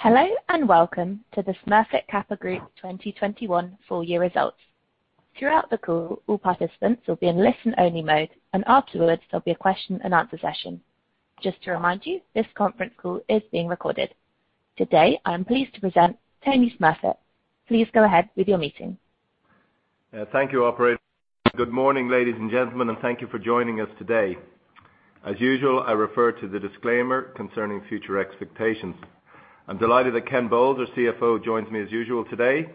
Hello, and welcome to the Smurfit Kappa Group 2021 full year results. Throughout the call, all participants will be in listen-only mode, and afterwards there'll be a question and answer session. Just to remind you, this conference call is being recorded. Today, I am pleased to present Tony Smurfit. Please go ahead with your meeting. Thank you, operator. Good morning, ladies and gentlemen, and thank you for joining us today. As usual, I refer to the disclaimer concerning future expectations. I'm delighted that Ken Bowles, our CFO, joins me as usual today.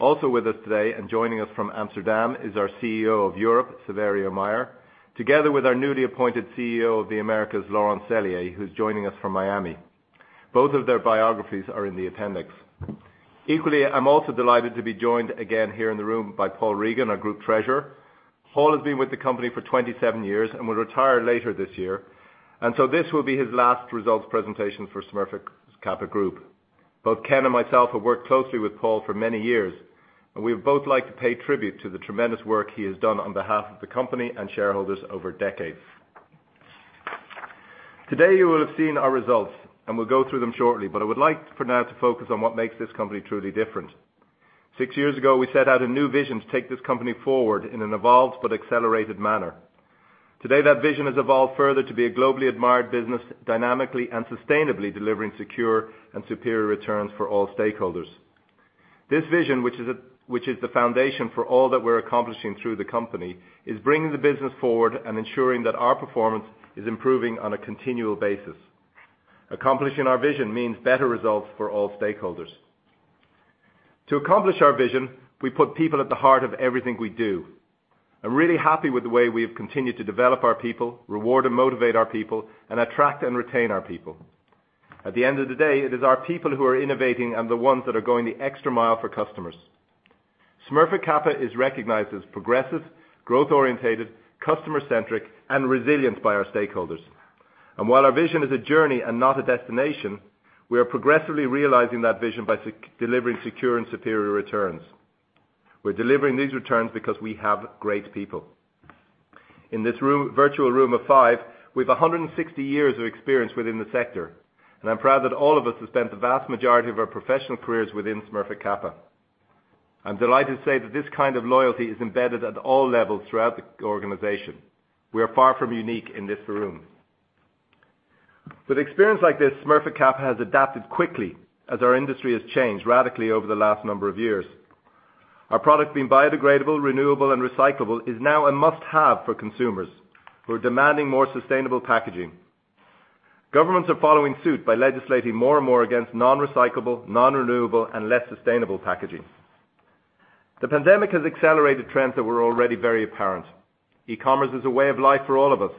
Also with us today, and joining us from Amsterdam, is our CEO of Europe, Saverio Mayer, together with our newly appointed CEO of the Americas, Laurent Sellier, who's joining us from Miami. Both of their biographies are in the appendix. Equally, I'm also delighted to be joined again here in the room by Paul Regan, our Group Treasurer. Paul has been with the company for 27 years and will retire later this year, and so this will be his last results presentation for Smurfit Kappa Group. Both Ken and myself have worked closely with Paul for many years, and we'd both like to pay tribute to the tremendous work he has done on behalf of the company and shareholders over decades. Today, you will have seen our results, and we'll go through them shortly, but I would like for now to focus on what makes this company truly different. Six years ago, we set out a new vision to take this company forward in an evolved but accelerated manner. Today, that vision has evolved further to be a globally admired business, dynamically and sustainably delivering secure and superior returns for all stakeholders. This vision, which is the foundation for all that we're accomplishing through the company, is bringing the business forward and ensuring that our performance is improving on a continual basis. Accomplishing our vision means better results for all stakeholders. To accomplish our vision, we put people at the heart of everything we do. I'm really happy with the way we have continued to develop our people, reward and motivate our people, and attract and retain our people. At the end of the day, it is our people who are innovating and the ones that are going the extra mile for customers. Smurfit Kappa is recognized as progressive, growth-oriented, customer-centric, and resilient by our stakeholders. While our vision is a journey and not a destination, we are progressively realizing that vision by delivering secure and superior returns. We're delivering these returns because we have great people. In this room, virtual room of five, we've 160 years of experience within the sector, and I'm proud that all of us have spent the vast majority of our professional careers within Smurfit Kappa. I'm delighted to say that this kind of loyalty is embedded at all levels throughout the organization. We are far from unique in this room. With experience like this, Smurfit Kappa has adapted quickly as our industry has changed radically over the last number of years. Our product being biodegradable, renewable, and recyclable is now a must-have for consumers who are demanding more sustainable packaging. Governments are following suit by legislating more and more against non-recyclable, non-renewable, and less sustainable packaging. The pandemic has accelerated trends that were already very apparent. E-commerce is a way of life for all of us,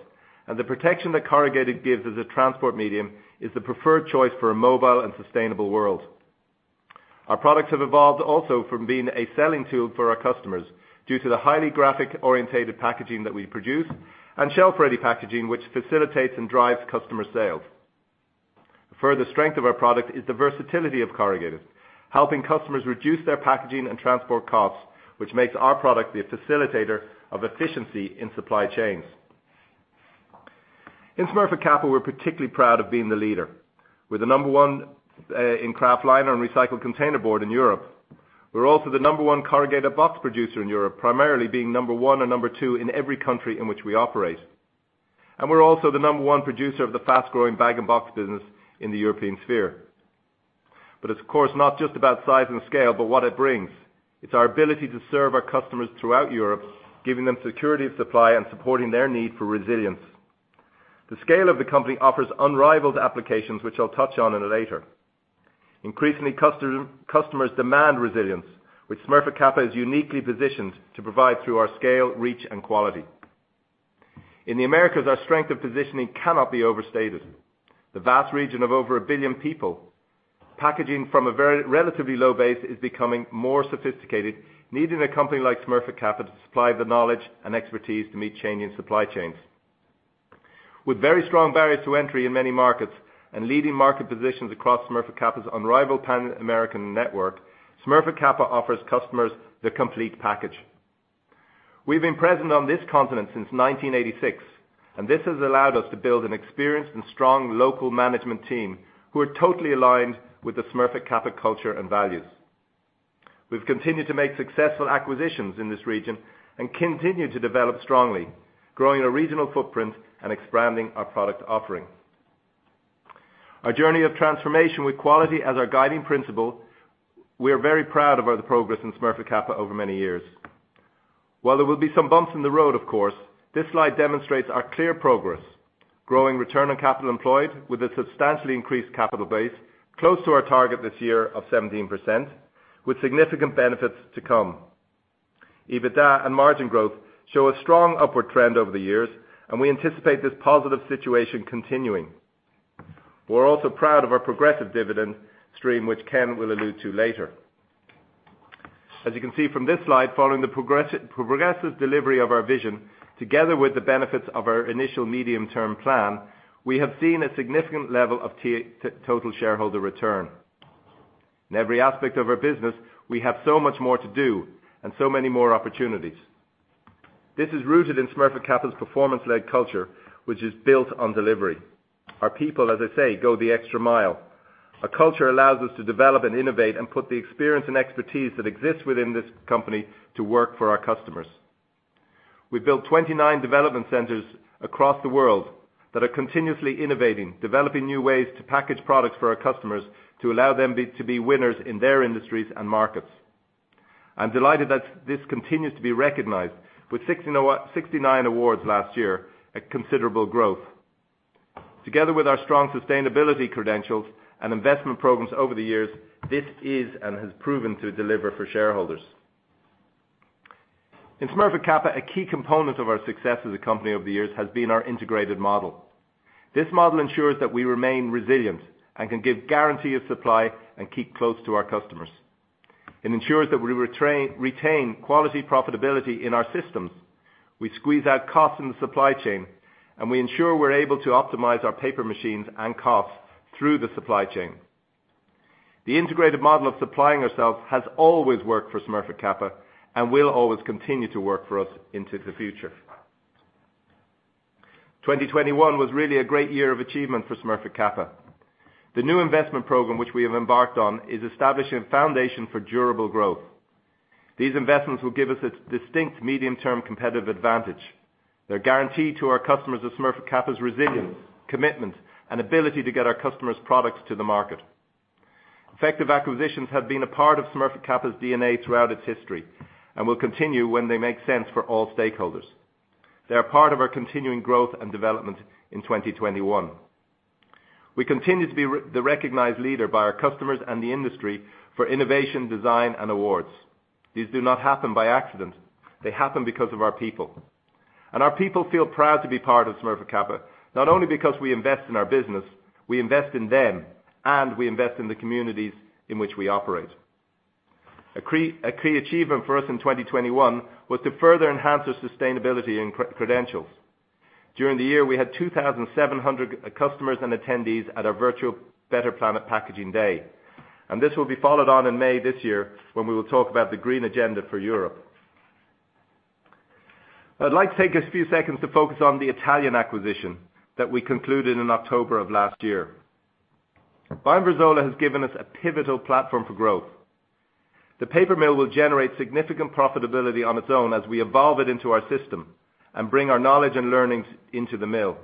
and the protection that corrugated gives as a transport medium is the preferred choice for a mobile and sustainable world. Our products have evolved also from being a selling tool for our customers due to the highly graphic-oriented packaging that we produce and shelf-ready packaging, which facilitates and drives customer sales. A further strength of our product is the versatility of corrugated, helping customers reduce their packaging and transport costs, which makes our product the facilitator of efficiency in supply chains. In Smurfit Kappa, we're particularly proud of being the leader. We're the number one in kraftliner and recycled container board in Europe. We're also the number one corrugated box producer in Europe, primarily being number one or number two in every country in which we operate. We're also the number one producer of the fast-growing bag and box business in the European sphere. It's of course not just about size and scale, but what it brings. It's our ability to serve our customers throughout Europe, giving them security of supply and supporting their need for resilience. The scale of the company offers unrivaled applications, which I'll touch on a little later. Increasingly customers demand resilience, which Smurfit Kappa is uniquely positioned to provide through our scale, reach, and quality. In the Americas, our strength of positioning cannot be overstated. The vast region of over a billion people, packaging from a very relatively low base is becoming more sophisticated, needing a company like Smurfit Kappa to supply the knowledge and expertise to meet changing supply chains. With very strong barriers to entry in many markets and leading market positions across Smurfit Kappa's unrivaled Pan-American network, Smurfit Kappa offers customers the complete package. We've been present on this continent since 1986, and this has allowed us to build an experienced and strong local management team who are totally aligned with the Smurfit Kappa culture and values. We've continued to make successful acquisitions in this region and continue to develop strongly, growing a regional footprint and expanding our product offering. Our journey of transformation with quality as our guiding principle. We are very proud of all the progress in Smurfit Kappa over many years. While there will be some bumps in the road of course, this slide demonstrates our clear progress growing return on capital employed with a substantially increased capital base close to our target this year of 17% with significant benefits to come. EBITDA and margin growth show a strong upward trend over the years, and we anticipate this positive situation continuing. We're also proud of our progressive dividend stream, which Ken will allude to later. As you can see from this slide, following the progressive delivery of our vision, together with the benefits of our initial medium-term plan, we have seen a significant level of total shareholder return. In every aspect of our business, we have so much more to do and so many more opportunities. This is rooted in Smurfit Kappa's performance-led culture, which is built on delivery. Our people, as I say, go the extra mile. Our culture allows us to develop and innovate and put the experience and expertise that exists within this company to work for our customers. We built 29 development centers across the world that are continuously innovating, developing new ways to package products for our customers to allow them to be winners in their industries and markets. I'm delighted that this continues to be recognized with 69 awards last year, a considerable growth. Together with our strong sustainability credentials and investment programs over the years, this is and has proven to deliver for shareholders. In Smurfit Kappa, a key component of our success as a company over the years has been our integrated model. This model ensures that we remain resilient and can give guarantee of supply and keep close to our customers. It ensures that we retain quality profitability in our systems. We squeeze out costs in the supply chain, and we ensure we're able to optimize our paper machines and costs through the supply chain. The integrated model of supplying ourselves has always worked for Smurfit Kappa and will always continue to work for us into the future. 2021 was really a great year of achievement for Smurfit Kappa. The new investment program which we have embarked on is establishing a foundation for durable growth. These investments will give us a distinct medium-term competitive advantage. They’re a guarantee to our customers of Smurfit Kappa’s resilience, commitment, and ability to get our customers’ products to the market. Effective acquisitions have been a part of Smurfit Kappa’s DNA throughout its history and will continue when they make sense for all stakeholders. They are part of our continuing growth and development in 2021. We continue to be the recognized leader by our customers and the industry for innovation, design, and awards. These do not happen by accident. They happen because of our people. Our people feel proud to be part of Smurfit Kappa, not only because we invest in our business, we invest in them, and we invest in the communities in which we operate. A key achievement for us in 2021 was to further enhance our sustainability and credentials. During the year, we had 2,700 customers and attendees at our virtual Better Planet Packaging Day, and this will be followed on in May this year when we will talk about the green agenda for Europe. I'd like to take a few seconds to focus on the Italian acquisition that we concluded in October of last year. Buying Verzuolo has given us a pivotal platform for growth. The paper mill will generate significant profitability on its own as we evolve it into our system and bring our knowledge and learnings into the mill.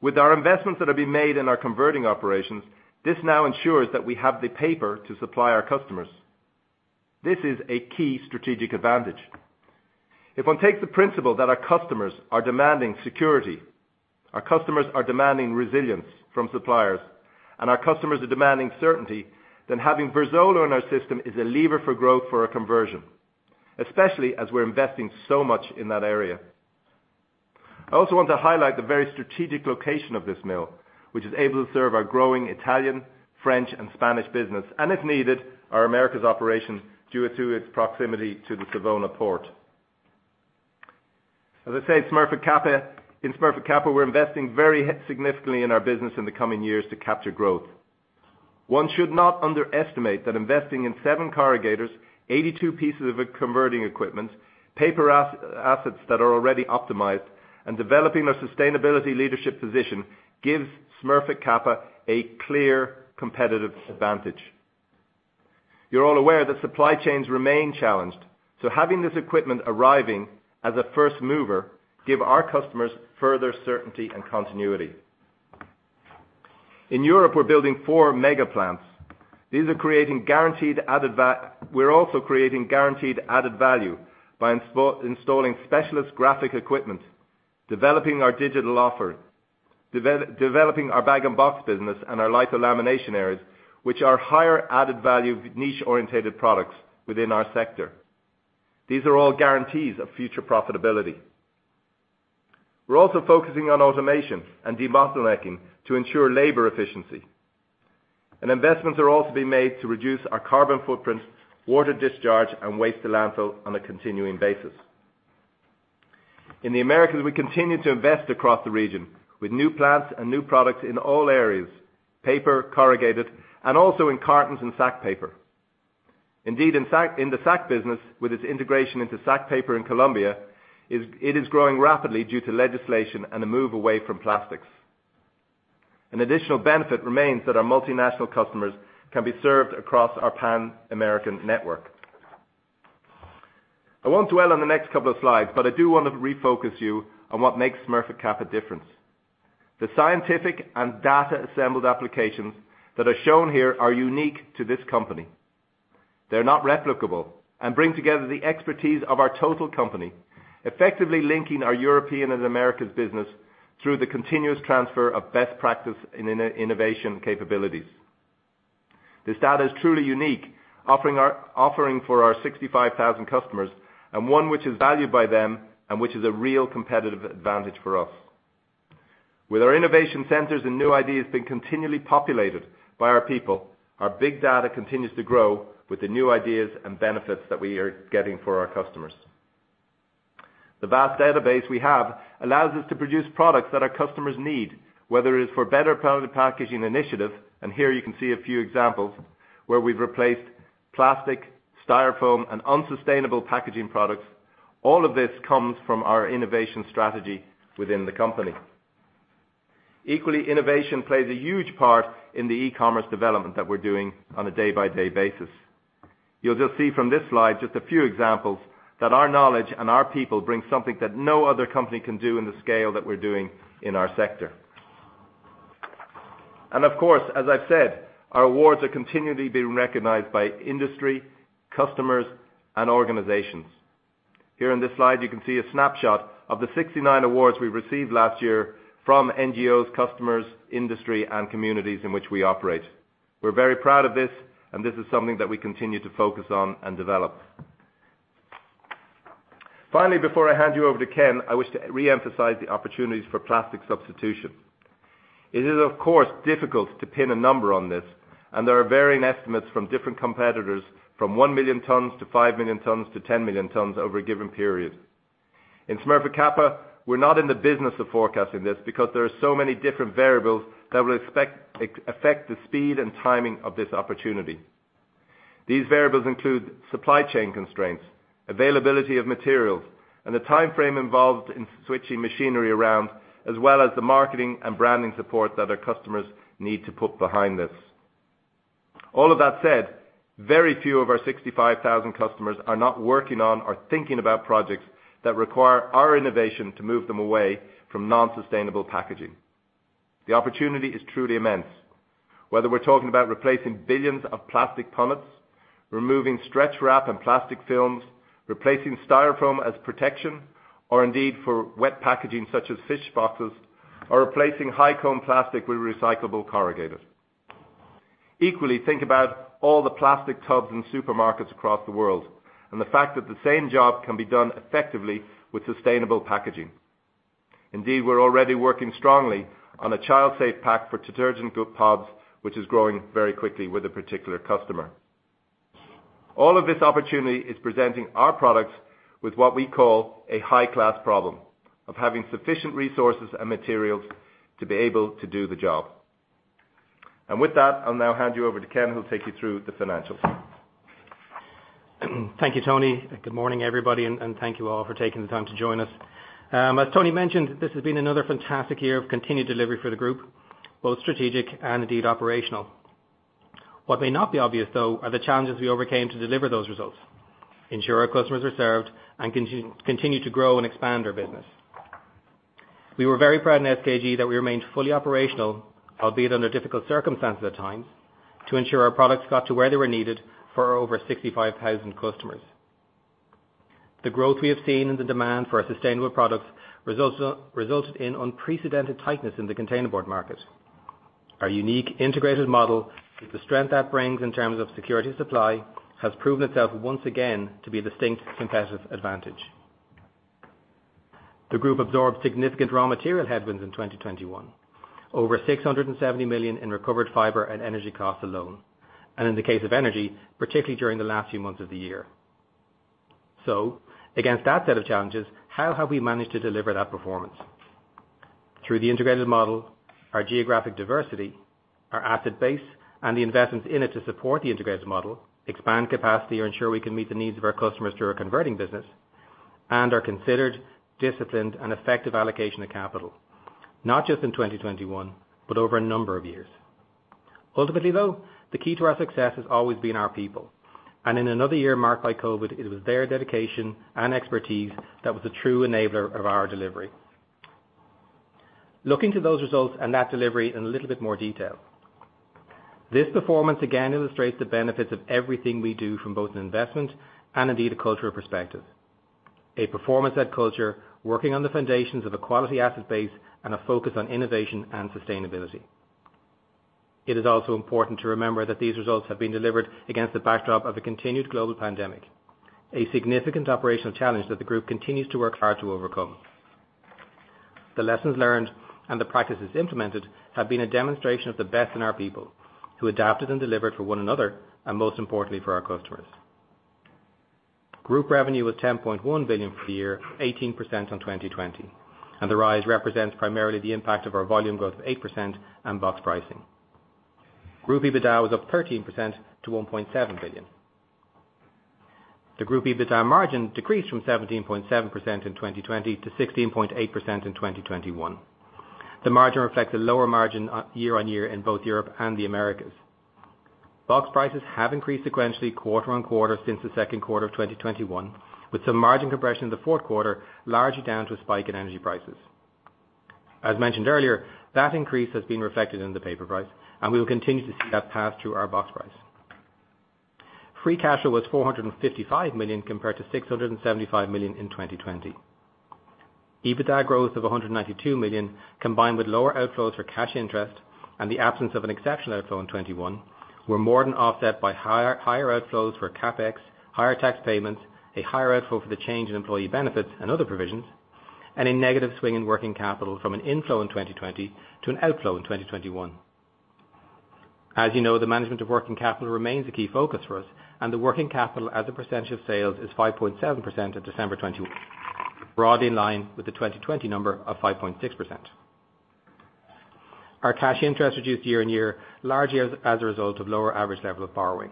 With our investments that are being made in our converting operations, this now ensures that we have the paper to supply our customers. This is a key strategic advantage. If one takes the principle that our customers are demanding security, our customers are demanding resilience from suppliers, and our customers are demanding certainty, then having Verzuolo in our system is a lever for growth for our conversion, especially as we're investing so much in that area. I also want to highlight the very strategic location of this mill, which is able to serve our growing Italian, French, and Spanish business, and if needed, our Americas operation due to its proximity to the Savona port. As I say, in Smurfit Kappa, we're investing very significantly in our business in the coming years to capture growth. One should not underestimate that investing in seven corrugators, 82 pieces of converting equipment, paper assets that are already optimized, and developing a sustainability leadership position gives Smurfit Kappa a clear competitive advantage. You're all aware that supply chains remain challenged, so having this equipment arriving as a first mover give our customers further certainty and continuity. In Europe, we're building four mega plants. These are creating guaranteed added value by installing specialist graphic equipment, developing our digital offer, developing our bag and box business and our litho lamination areas, which are higher added value niche-oriented products within our sector. These are all guarantees of future profitability. We're also focusing on automation and debottlenecking to ensure labor efficiency. Investments are also being made to reduce our carbon footprint, water discharge, and waste to landfill on a continuing basis. In the Americas, we continue to invest across the region with new plants and new products in all areas, paper, corrugated, and also in cartons and sack paper. Indeed, in the sack business, with its integration into sack paper in Colombia, it is growing rapidly due to legislation and a move away from plastics. An additional benefit remains that our multinational customers can be served across our Pan-American network. I won't dwell on the next couple of slides, but I do want to refocus you on what makes Smurfit Kappa different. The scientific and data-assembled applications that are shown here are unique to this company. They're not replicable and bring together the expertise of our total company, effectively linking our European and Americas business through the continuous transfer of best practice and innovation capabilities. This data is truly unique, offering for our 65,000 customers and one which is valued by them and which is a real competitive advantage for us. With our innovation centers and new ideas being continually populated by our people, our big data continues to grow with the new ideas and benefits that we are getting for our customers. The vast database we have allows us to produce products that our customers need, whether it is for Better Planet Packaging initiative, and here you can see a few examples. Where we've replaced plastic, Styrofoam, and unsustainable packaging products. All of this comes from our innovation strategy within the company. Equally, innovation plays a huge part in the e-commerce development that we're doing on a day-by-day basis. You'll just see from this slide just a few examples that our knowledge and our people bring something that no other company can do in the scale that we're doing in our sector. Of course, as I've said, our awards are continually being recognized by industry, customers, and organizations. Here in this slide, you can see a snapshot of the 69 awards we received last year from NGOs, customers, industry, and communities in which we operate. We're very proud of this, and this is something that we continue to focus on and develop. Finally, before I hand you over to Ken, I wish to re-emphasize the opportunities for plastic substitution. It is, of course, difficult to pin a number on this, and there are varying estimates from different competitors from 1 million tons to 5 million tons to 10 million tons over a given period. In Smurfit Kappa, we're not in the business of forecasting this because there are so many different variables that will affect the speed and timing of this opportunity. These variables include supply chain constraints, availability of materials, and the timeframe involved in switching machinery around, as well as the marketing and branding support that our customers need to put behind this. All of that said, very few of our 65,000 customers are not working on or thinking about projects that require our innovation to move them away from non-sustainable packaging. The opportunity is truly immense. Whether we're talking about replacing billions of plastic punnets, removing stretch wrap and plastic films, replacing Styrofoam as protection, or indeed for wet packaging such as fish boxes, or replacing high-carbon plastic with recyclable corrugated. Equally, think about all the plastic tubs in supermarkets across the world and the fact that the same job can be done effectively with sustainable packaging. Indeed, we're already working strongly on a child safe pack for detergent pods, which is growing very quickly with a particular customer. All of this opportunity is presenting our products with what we call a high-class problem of having sufficient resources and materials to be able to do the job. With that, I'll now hand you over to Ken, who'll take you through the financials. Thank you, Tony. Good morning, everybody, and thank you all for taking the time to join us. As Tony mentioned, this has been another fantastic year of continued delivery for the group, both strategic and indeed operational. What may not be obvious, though, are the challenges we overcame to deliver those results, ensure our customers are served, and continue to grow and expand our business. We were very proud in SKG that we remained fully operational, albeit under difficult circumstances at times, to ensure our products got to where they were needed for over 65,000 customers. The growth we have seen in the demand for our sustainable products resulted in unprecedented tightness in the containerboard market. Our unique integrated model with the strength that brings in terms of supply security has proven itself once again to be a distinct competitive advantage. The group absorbed significant raw material headwinds in 2021. Over 670 million in recovered fiber and energy costs alone, and in the case of energy, particularly during the last few months of the year. Against that set of challenges, how have we managed to deliver that performance? Through the integrated model, our geographic diversity, our asset base, and the investments in it to support the integrated model, expand capacity or ensure we can meet the needs of our customers through our converting business, and our considered, disciplined, and effective allocation of capital, not just in 2021, but over a number of years. Ultimately, though, the key to our success has always been our people. In another year marked by COVID, it was their dedication and expertise that was the true enabler of our delivery. Looking to those results and that delivery in a little bit more detail. This performance again illustrates the benefits of everything we do from both an investment and indeed a cultural perspective. A performance and culture, working on the foundations of a quality asset base, and a focus on innovation and sustainability. It is also important to remember that these results have been delivered against the backdrop of a continued global pandemic, a significant operational challenge that the group continues to work hard to overcome. The lessons learned and the practices implemented have been a demonstration of the best in our people who adapted and delivered for one another, and most importantly, for our customers. Group revenue was 10.1 billion for the year, 18% on 2020, and the rise represents primarily the impact of our volume growth of 8% and box pricing. Group EBITDA was up 13% to 1.7 billion. The group EBITDA margin decreased from 17.7% in 2020 to 16.8% in 2021. The margin reflects a lower margin, year on year in both Europe and the Americas. Box prices have increased sequentially quarter-on-quarter since the second quarter of 2021, with some margin compression in the fourth quarter, largely down to a spike in energy prices. As mentioned earlier, that increase has been reflected in the paper price, and we will continue to see that pass through our box price. Free cash flow was 455 million compared to 675 million in 2020. EBITDA growth of 192 million, combined with lower outflows for cash interest and the absence of an exceptional outflow in 2021, were more than offset by higher outflows for CapEx, higher tax payments, a higher outflow for the change in employee benefits and other provisions, and a negative swing in working capital from an inflow in 2020 to an outflow in 2021. As you know, the management of working capital remains a key focus for us, and the working capital as a percentage of sales is 5.7% as of December 2021, broadly in line with the 2020 number of 5.6%. Our cash interest reduced year-on-year, largely as a result of lower average level of borrowing.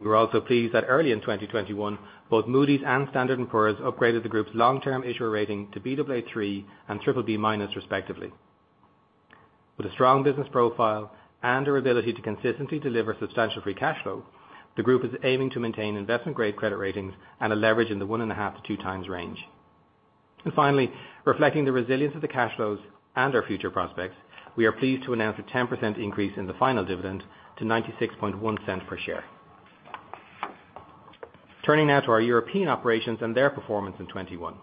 We were also pleased that early in 2021, both Moody's and Standard & Poor's upgraded the group's long-term issuer rating to Baa3 and BBB- respectively. With a strong business profile and our ability to consistently deliver substantial free cash flow, the group is aiming to maintain investment grade credit ratings and a leverage in the 1.5x-2x range. Finally, reflecting the resilience of the cash flows and our future prospects, we are pleased to announce a 10% increase in the final dividend to 0.961 per share. Turning now to our European operations and their performance in 2021.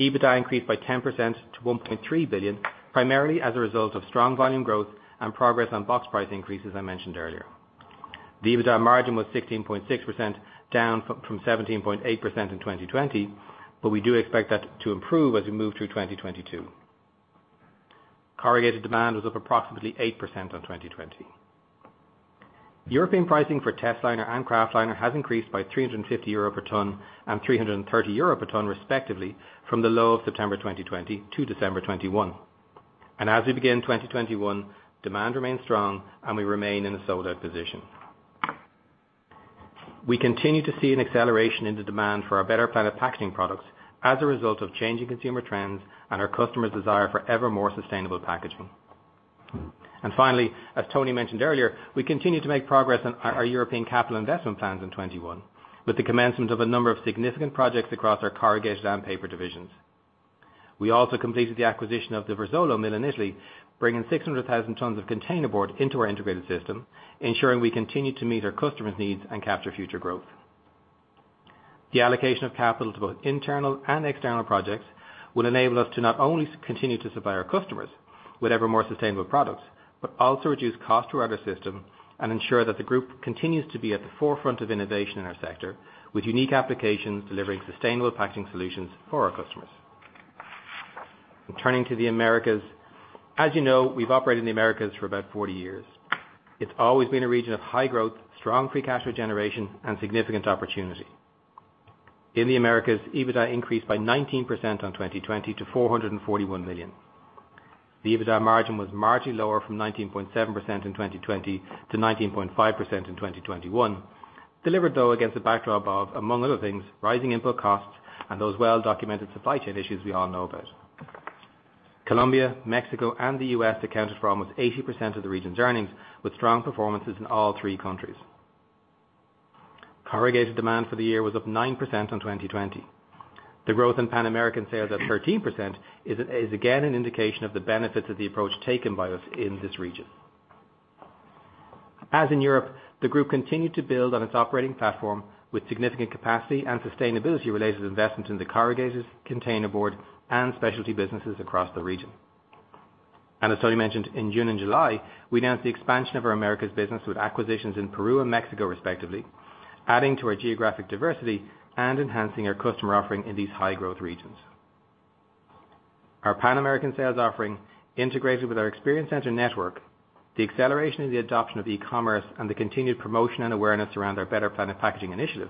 EBITDA increased by 10% to 1.3 billion, primarily as a result of strong volume growth and progress on box price increases I mentioned earlier. The EBITDA margin was 16.6%, down from 17.8% in 2020, but we do expect that to improve as we move through 2022. Corrugated demand was up approximately 8% on 2020. European pricing for testliner and kraftliner has increased by 350 EUR per ton, and 330 EUR per ton respectively from the low of September 2020 to December 2021. As we begin 2021, demand remains strong and we remain in a sold-out position. We continue to see an acceleration in the demand for our Better Planet Packaging products as a result of changing consumer trends and our customers' desire for evermore sustainable packaging. Finally, as Tony mentioned earlier, we continue to make progress on our European capital investment plans in 2021, with the commencement of a number of significant projects across our corrugated and paper divisions. We also completed the acquisition of the Verzuolo mill in Italy, bringing 600,000 tons of containerboard into our integrated system, ensuring we continue to meet our customers' needs and capture future growth. The allocation of capital to both internal and external projects will enable us to not only continue to supply our customers with evermore sustainable products, but also reduce cost throughout our system and ensure that the group continues to be at the forefront of innovation in our sector with unique applications delivering sustainable packaging solutions for our customers. Turning to the Americas. As you know, we've operated in the Americas for about 40 years. It's always been a region of high growth, strong free cash flow generation, and significant opportunity. In the Americas, EBITDA increased by 19% on 2020 to 441 million. The EBITDA margin was marginally lower from 19.7% in 2020 to 19.5% in 2021, delivered though against the backdrop of, among other things, rising input costs and those well-documented supply chain issues we all know about. Colombia, Mexico, and the U.S. accounted for almost 80% of the region's earnings, with strong performances in all three countries. Corrugated demand for the year was up 9% on 2020. The growth in Pan-American sales at 13% is again an indication of the benefits of the approach taken by us in this region. As in Europe, the group continued to build on its operating platform with significant capacity and sustainability-related investments in the corrugated, containerboard, and specialty businesses across the region. As Tony mentioned, in June and July, we announced the expansion of our Americas business with acquisitions in Peru and Mexico, respectively, adding to our geographic diversity and enhancing our customer offering in these high-growth regions. Our Pan-American sales offering integrated with our Experience Centre network, the acceleration of the adoption of e-commerce, and the continued promotion and awareness around our Better Planet Packaging initiative,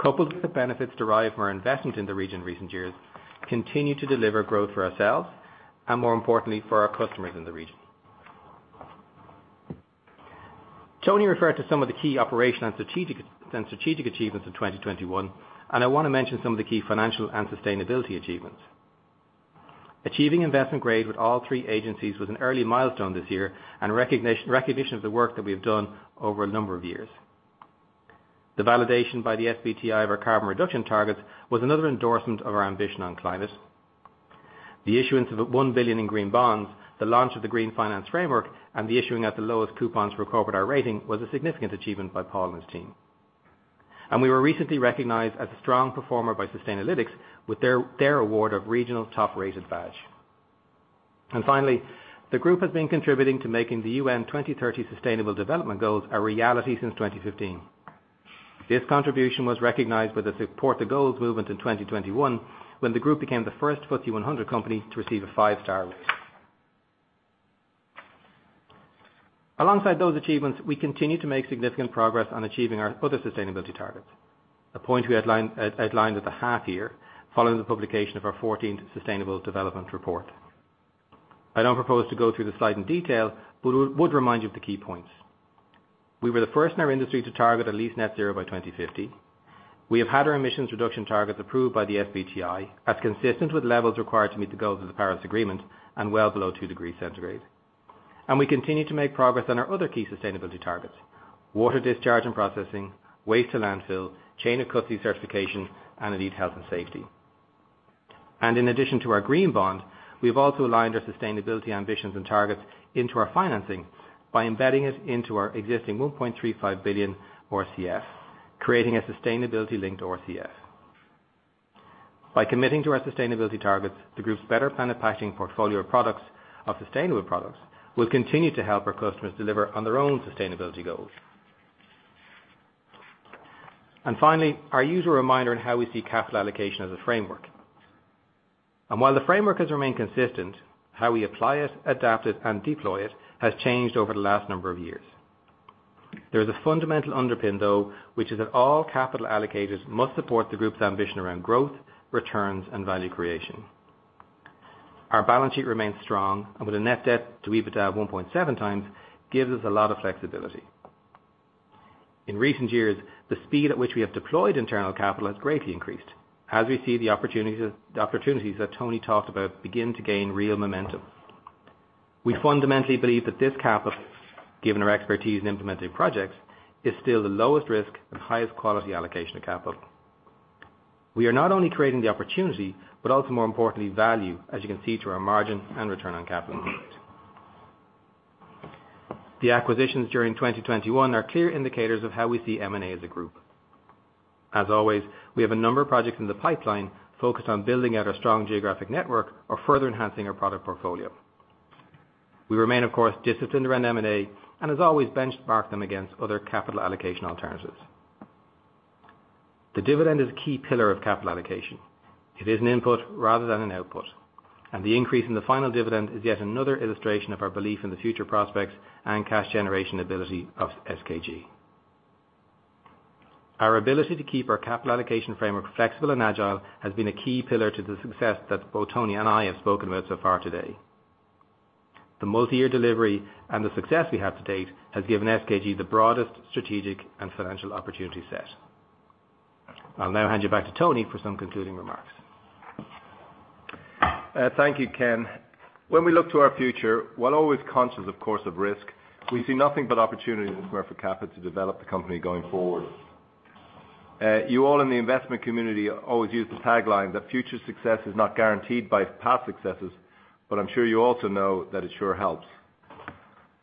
coupled with the benefits derived from our investment in the region in recent years, continue to deliver growth for ourselves and, more importantly, for our customers in the region. Tony referred to some of the key operational and strategic achievements of 2021, and I wanna mention some of the key financial and sustainability achievements. Achieving investment grade with all three agencies was an early milestone this year, and recognition of the work that we have done over a number of years. The validation by the SBTi of our carbon reduction targets was another endorsement of our ambition on climate. The issuance of 1 billion in green bonds, the launch of the green finance framework, and the issuing at the lowest coupons for corporate BBB rating was a significant achievement by Paul and his team. We were recently recognized as a strong performer by Sustainalytics with their award of regional top-rated badge. Finally, the group has been contributing to making the UN 2030 sustainable development goals a reality since 2015. This contribution was recognized with the Support the Goals movement in 2021, when the group became the first FTSE 100 company to receive a five-star rating. Alongside those achievements, we continue to make significant progress on achieving our other sustainability targets. A point we outlined at the half year following the publication of our 14th sustainable development report. I don't propose to go through the slide in detail, but would remind you of the key points. We were the first in our industry to target at least net zero by 2050. We have had our emissions reduction targets approved by the SBTi, as consistent with levels required to meet the goals of the Paris Agreement and well below 2 degrees Celsius. We continue to make progress on our other key sustainability targets, water discharge and processing, waste to landfill, chain of custody certification, and indeed, health and safety. In addition to our green bond, we've also aligned our sustainability ambitions and targets into our financing by embedding it into our existing 1.35 billion RCF, creating a sustainability-linked RCF. By committing to our sustainability targets, the group's Better Planet Packaging portfolio of products, of sustainable products will continue to help our customers deliver on their own sustainability goals. Finally, our usual reminder on how we see capital allocation as a framework. While the framework has remained consistent, how we apply it, adapt it, and deploy it has changed over the last number of years. There is a fundamental underpin, though, which is that all capital allocators must support the group's ambition around growth, returns, and value creation. Our balance sheet remains strong and with a net debt to EBITDA of 1.7x gives us a lot of flexibility. In recent years, the speed at which we have deployed internal capital has greatly increased as we see the opportunities that Tony talked about begin to gain real momentum. We fundamentally believe that this capital, given our expertise in implementing projects, is still the lowest risk and highest quality allocation of capital. We are not only creating the opportunity, but also more importantly, value, as you can see through our margin and return on capital. The acquisitions during 2021 are clear indicators of how we see M&A as a group. As always, we have a number of projects in the pipeline focused on building out our strong geographic network or further enhancing our product portfolio. We remain, of course, disciplined around M&A and has always benchmarked them against other capital allocation alternatives. The dividend is a key pillar of capital allocation. It is an input rather than an output, and the increase in the final dividend is yet another illustration of our belief in the future prospects and cash generation ability of SKG. Our ability to keep our capital allocation framework flexible and agile has been a key pillar to the success that both Tony and I have spoken about so far today. The multi-year delivery and the success we have to date has given SKG the broadest strategic and financial opportunity set. I'll now hand you back to Tony for some concluding remarks. Thank you, Ken. When we look to our future, while always conscious of course of risk, we see nothing but opportunity in Smurfit Kappa to develop the company going forward. You all in the investment community always use the tagline that future success is not guaranteed by past successes, but I'm sure you also know that it sure helps.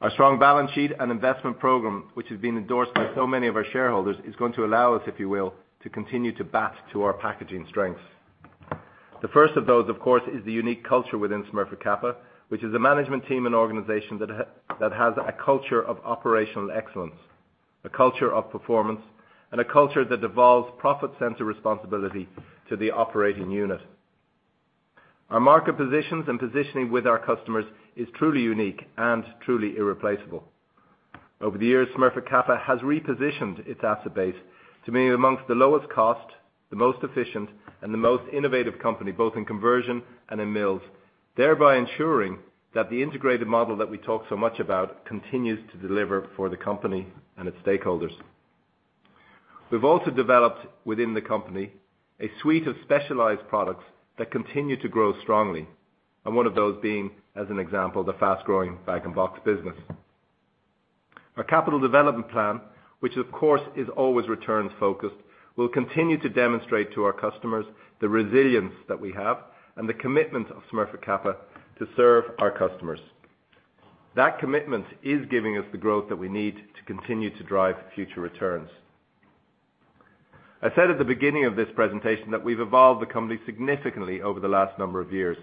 Our strong balance sheet and investment program, which has been endorsed by so many of our shareholders, is going to allow us, if you will, to continue to play to our packaging strengths. The first of those, of course, is the unique culture within Smurfit Kappa, which is a management team and organization that has a culture of operational excellence, a culture of performance, and a culture that devolves profit center responsibility to the operating unit. Our market positions and positioning with our customers is truly unique and truly irreplaceable. Over the years, Smurfit Kappa has repositioned its asset base to be amongst the lowest cost, the most efficient, and the most innovative company, both in conversion and in mills, thereby ensuring that the integrated model that we talk so much about continues to deliver for the company and its stakeholders. We've also developed within the company a suite of specialized products that continue to grow strongly, and one of those being, as an example, the fast-growing bag and box business. Our capital development plan, which of course is always returns focused, will continue to demonstrate to our customers the resilience that we have and the commitment of Smurfit Kappa to serve our customers. That commitment is giving us the growth that we need to continue to drive future returns. I said at the beginning of this presentation that we've evolved the company significantly over the last number of years.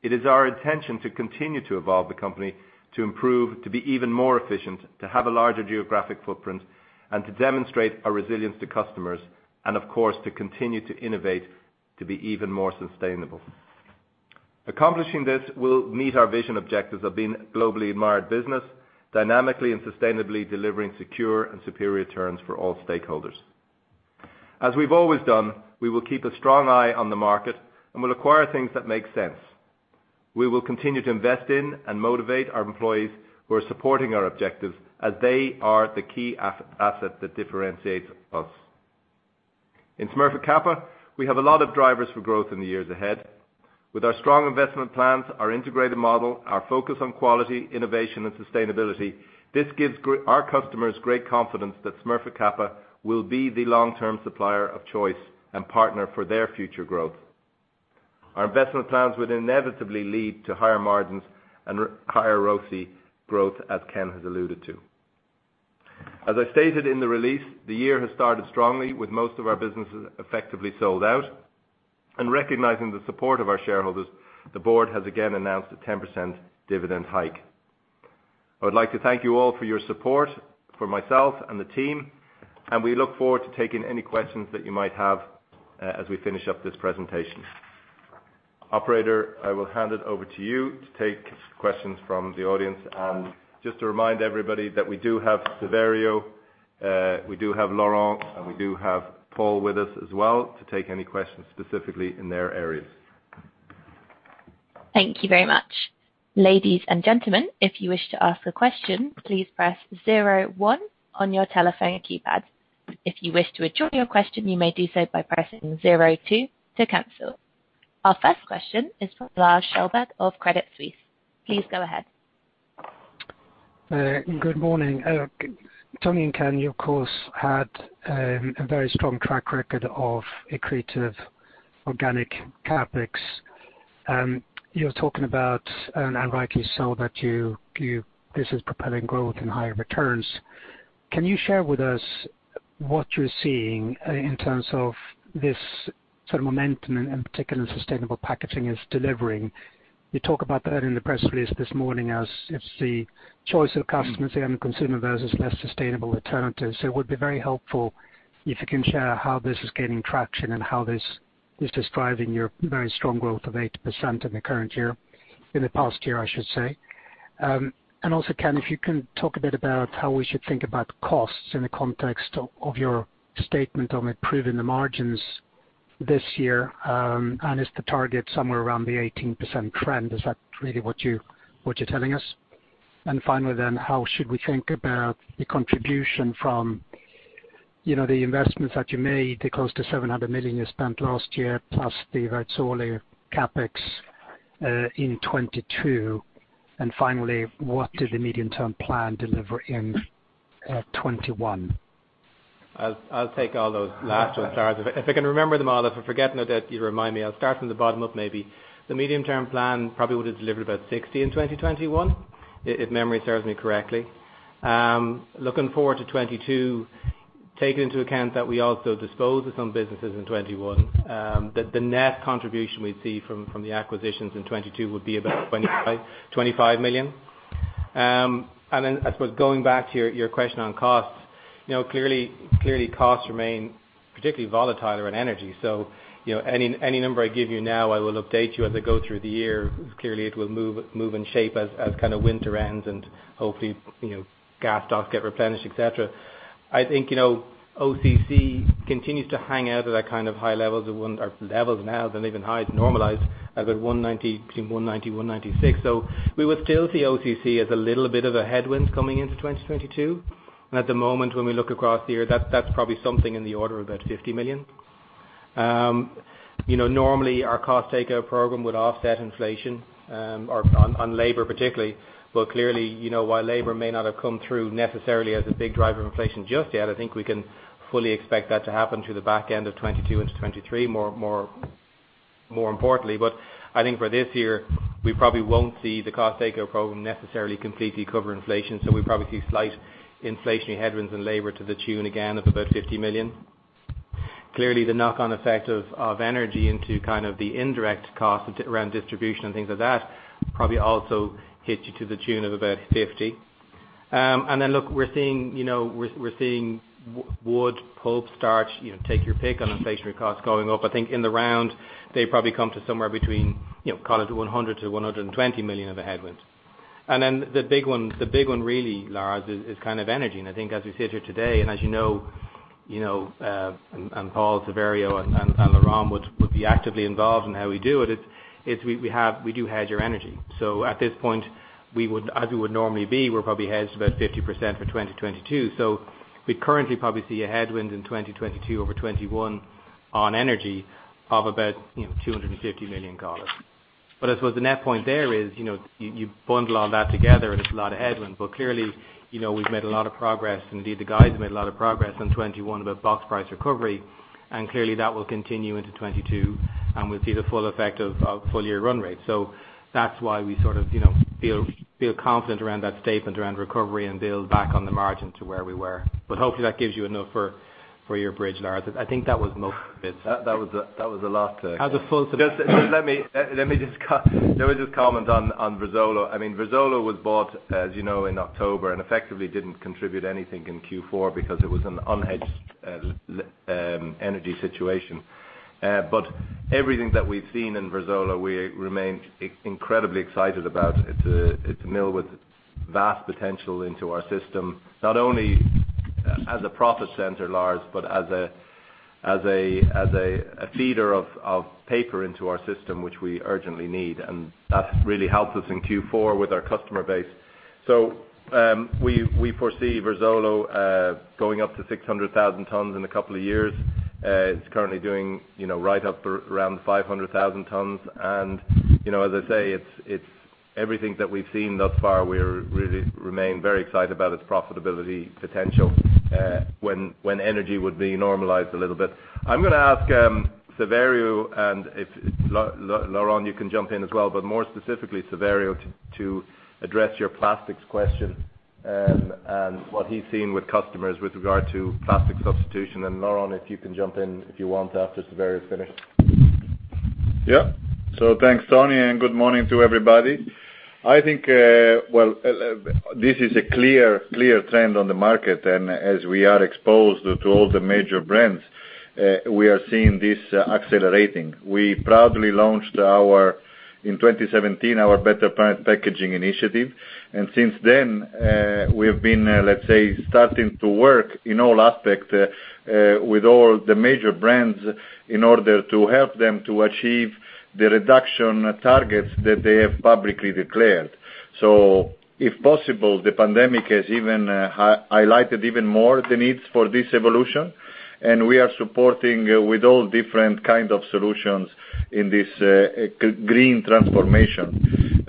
It is our intention to continue to evolve the company, to improve, to be even more efficient, to have a larger geographic footprint, and to demonstrate our resilience to customers, and of course, to continue to innovate, to be even more sustainable. Accomplishing this will meet our vision objectives of being a globally admired business, dynamically and sustainably delivering secure and superior returns for all stakeholders. As we've always done, we will keep a strong eye on the market and will acquire things that make sense. We will continue to invest in and motivate our employees who are supporting our objectives as they are the key asset that differentiates us. In Smurfit Kappa, we have a lot of drivers for growth in the years ahead. With our strong investment plans, our integrated model, our focus on quality, innovation, and sustainability, this gives our customers great confidence that Smurfit Kappa will be the long-term supplier of choice and partner for their future growth. Our investment plans would inevitably lead to higher margins and higher ROCE growth, as Ken has alluded to. As I stated in the release, the year has started strongly with most of our businesses effectively sold out. Recognizing the support of our shareholders, the board has again announced a 10% dividend hike. I would like to thank you all for your support for myself and the team, and we look forward to taking any questions that you might have, as we finish up this presentation. Operator, I will hand it over to you to take questions from the audience. Just to remind everybody that we do have Saverio, we do have Laurent, and we do have Paul with us as well to take any questions specifically in their areas. Thank you very much. Ladies and gentlemen, if you wish to ask a question, please press zero one on your telephone keypad. If you wish to withdraw your question, you may do so by pressing zero two to cancel. Our first question is from Lars Kjellberg of Credit Suisse. Please go ahead. Good morning. Tony and Ken, you of course had a very strong track record of accretive organic CapEx. You're talking about, and rightly so, that this is propelling growth and higher returns. Can you share with us what you're seeing in terms of this sort of momentum and particularly sustainable packaging is delivering? You talk about that in the press release this morning as it's the choice of customers and consumers versus less sustainable alternatives. It would be very helpful if you can share how this is gaining traction and how this It's describing your very strong growth of 8% in the current year, in the past year, I should say. Ken, if you can talk a bit about how we should think about costs in the context of your statement on improving the margins this year, and is the target somewhere around the 18% trend? Is that really what you're telling us? Finally, how should we think about the contribution from, you know, the investments that you made, the close to 700 million you spent last year, plus the Verzuolo CapEx in 2022? Finally, what did the medium-term plan deliver in 2021? I'll take all those last ones, Lars. If I can remember them all. If I forget any of them, you remind me. I'll start from the bottom up, maybe. The medium-term plan probably would've delivered about 60 million in 2021, if memory serves me correctly. Looking forward to 2022, take into account that we also disposed of some businesses in 2021, the net contribution we'd see from the acquisitions in 2022 would be about 25 million. And then I suppose going back to your question on costs, you know, clearly costs remain particularly volatile around energy. You know, any number I give you now, I will update you as I go through the year. Clearly, it will move and shape as kind of winter ends and hopefully, you know, gas stocks get replenished, et cetera. I think, you know, OCC continues to hang out at that kind of high levels now than even highs normalized at about 190, between 190-196. We would still see OCC as a little bit of a headwind coming into 2022. At the moment, when we look across the year, that's probably something in the order of about 50 million. You know, normally our cost takeout program would offset inflation, or on labor particularly. Clearly, you know, while labor may not have come through necessarily as a big driver of inflation just yet, I think we can fully expect that to happen through the back end of 2022 into 2023, more importantly. I think for this year, we probably won't see the cost takeout program necessarily completely cover inflation. We probably see slight inflationary headwinds in labor to the tune again of about 50 million. Clearly, the knock-on effect of energy into kind of the indirect costs around distribution and things like that, probably also hits you to the tune of about EUR 50. Look, we're seeing wood, pulp, starch, you know, take your pick on inflationary costs going up. I think in the round, they probably come to somewhere between, you know, call it 100 million-120 million of the headwinds. The big one really, Lars, is kind of energy. I think as we sit here today, and as you know, you know, and Paul, Saverio, and Laurent would be actively involved in how we do it's we have... We do hedge our energy. At this point, we would, as we would normally be, we're probably hedged about 50% for 2022. We currently probably see a headwind in 2022 over 2021 on energy of about, you know, $250 million. I suppose the net point there is, you know, you bundle all that together and it's a lot of headwinds. Clearly, you know, we've made a lot of progress, and indeed the guys have made a lot of progress on 2021 about box price recovery, and clearly that will continue into 2022, and we'll see the full effect of full year run rate. That's why we sort of, you know, feel confident around that statement around recovery and build back on the margin to where we were. Hopefully that gives you enough for your bridge, Lars. I think that was most of it. That was a lot to As a full- Let me just comment on Verzuolo. I mean, Verzuolo was bought, as you know, in October, and effectively didn't contribute anything in Q4 because it was an unhedged energy situation. But everything that we've seen in Verzuolo, we remain incredibly excited about. It's a mill with vast potential into our system, not only as a profit center, Lars, but as a feeder of paper into our system, which we urgently need. That really helps us in Q4 with our customer base. We foresee Verzuolo going up to 600,000 tons in a couple of years. It's currently doing, you know, right up around 500,000 tons. You know, as I say, it's everything that we've seen thus far, we're really remain very excited about its profitability potential, when energy would be normalized a little bit. I'm gonna ask, Saverio, and if Laurent, you can jump in as well, but more specifically Saverio to address your plastics question, and what he's seen with customers with regard to plastics substitution. Laurent, if you can jump in if you want after Saverio's finished. Yeah. Thanks, Tony, and good morning to everybody. I think this is a clear trend on the market. We are exposed to all the major brands. We are seeing this accelerating. We proudly launched our in 2017 our Better Planet Packaging initiative. Since then, we have been starting to work in all aspects with all the major brands in order to help them to achieve the reduction targets that they have publicly declared. If possible, the pandemic has even highlighted even more the needs for this evolution. We are supporting with all different kind of solutions in this green transformation.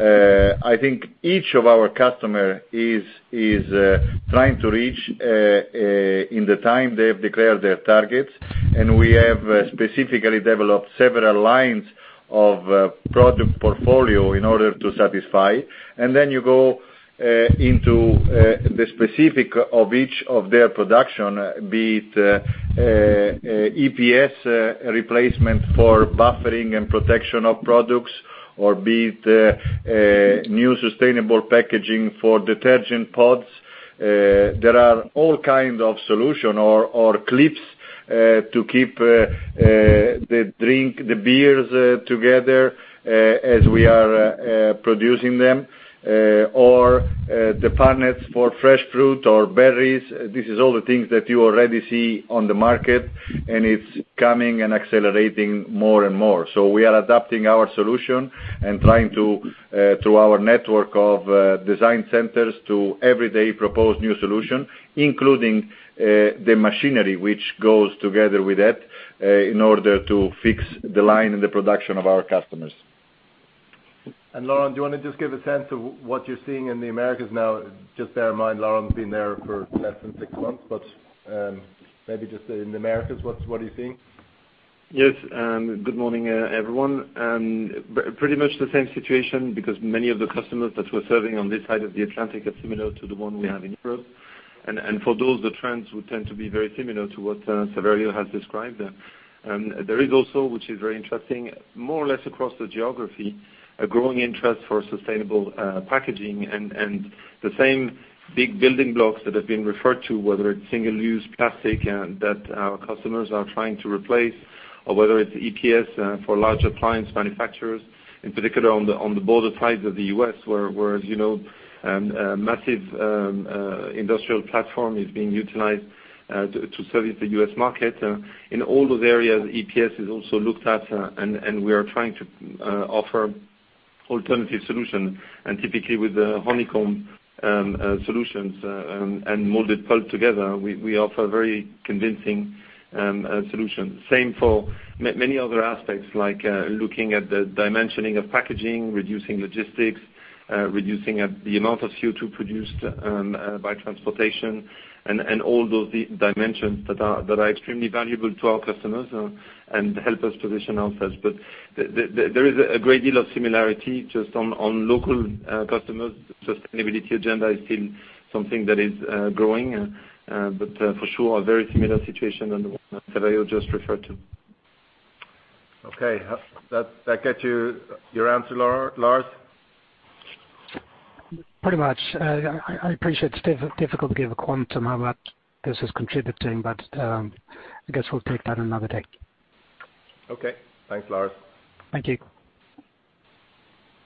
I think each of our customer is trying to reach in the time they've declared their targets. We have specifically developed several lines of product portfolio in order to satisfy. You go into the specifics of each of their production, be it EPS replacement for buffering and protection of products or be it new sustainable packaging for detergent pods. There are all kinds of solution or clips to keep the drinks, the beers together as we are producing them or the punnets for fresh fruit or berries. This is all the things that you already see on the market, and it's coming and accelerating more and more. We are adapting our solution and trying to, through our network of design centers, every day propose new solution, including the machinery which goes together with it, in order to fit the line in the production of our customers. Laurent, do you wanna just give a sense of what you're seeing in the Americas now? Just bear in mind, Laurent has been there for less than six months, but, maybe just say in the Americas, what are you seeing? Yes. Good morning, everyone. Pretty much the same situation because many of the customers that we're serving on this side of the Atlantic are similar to the one we have in Europe. For those, the trends would tend to be very similar to what Saverio has described. There is also, which is very interesting, more or less across the geography, a growing interest for sustainable packaging and the same big building blocks that have been referred to, whether it's single-use plastics that our customers are trying to replace, or whether it's EPS for larger clients, manufacturers, in particular on the border sides of the U.S., where, as you know, massive industrial platform is being utilized to service the U.S. market. In all those areas, EPS is also looked at, and we are trying to offer alternative solution. Typically with the Honeycomb solutions and molded pulp together, we offer very convincing solution. Same for many other aspects like looking at the dimensioning of packaging, reducing logistics, reducing the amount of CO2 produced by transportation and all those dimensions that are extremely valuable to our customers and help us position ourselves. There is a great deal of similarity just on local customers. Sustainability agenda is still something that is growing, but for sure a very similar situation than the one Saverio just referred to. Okay. That get you your answer, Lars? Pretty much. I appreciate it's difficult to give a quantum how much this is contributing, but I guess we'll take that another day. Okay. Thanks, Lars. Thank you.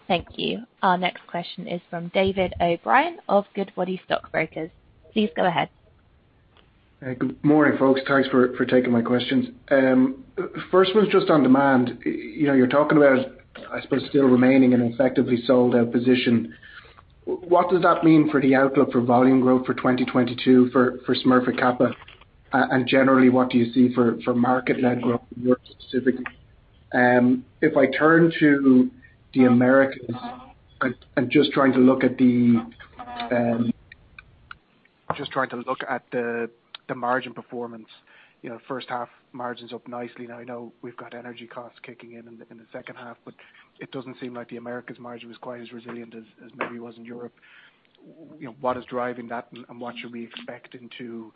Thank you. Our next question is from David O'Brien of Goodbody Stockbrokers. Please go ahead. Good morning, folks. Thanks for taking my questions. First one's just on demand. You know, you're talking about, I suppose, still remaining an effectively sold out position. What does that mean for the outlook for volume growth for 2022 for Smurfit Kappa? And generally, what do you see for market led growth in Europe specifically? If I turn to the Americas, I'm just trying to look at the margin performance. You know, first half margins up nicely. Now I know we've got energy costs kicking in in the second half, but it doesn't seem like the Americas margin was quite as resilient as maybe it was in Europe. You know, what is driving that and what should we expect into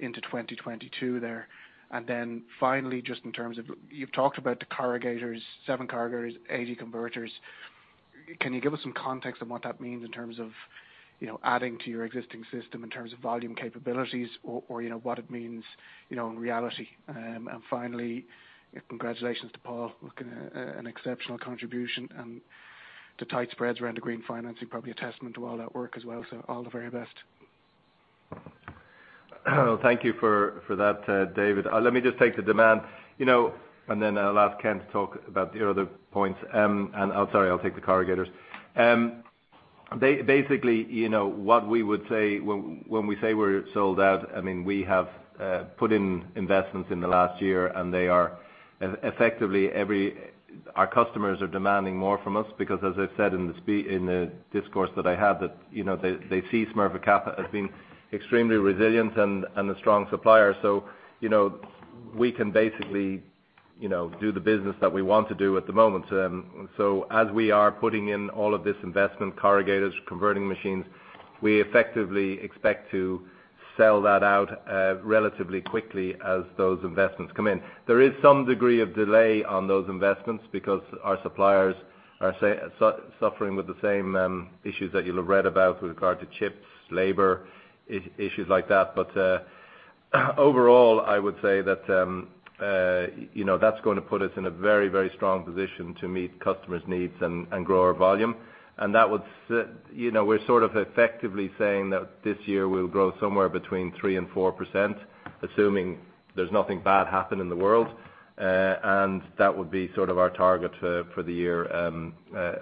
2022 there? Finally, just in terms of you've talked about the corrugators, seven corrugators, 80 converters. Can you give us some context on what that means in terms of, you know, adding to your existing system in terms of volume capabilities or, you know, what it means, you know, in reality? Finally, congratulations to Paul. Looking, an exceptional contribution and the tight spreads around the green financing, probably a testament to all that work as well. All the very best. Thank you for that, David. Let me just take the demand, you know, and then I'll ask Ken to talk about your other points. Sorry, I'll take the corrugators. Basically, you know, what we would say when we say we're sold out, I mean, we have put in investments in the last year, and they are effectively. Our customers are demanding more from us because as I said in the discourse that I had, you know, they see Smurfit Kappa as being extremely resilient and a strong supplier. You know, we can basically do the business that we want to do at the moment. As we are putting in all of this investment, corrugators, converting machines, we effectively expect to sell that out relatively quickly as those investments come in. There is some degree of delay on those investments because our suppliers are, say, suffering with the same issues that you'll have read about with regard to chips, labor, issues like that. Overall, I would say that, you know, that's gonna put us in a very, very strong position to meet customers' needs and grow our volume. You know, we're sort of effectively saying that this year we'll grow somewhere between 3%-4%, assuming there's nothing bad happen in the world. That would be sort of our target for the year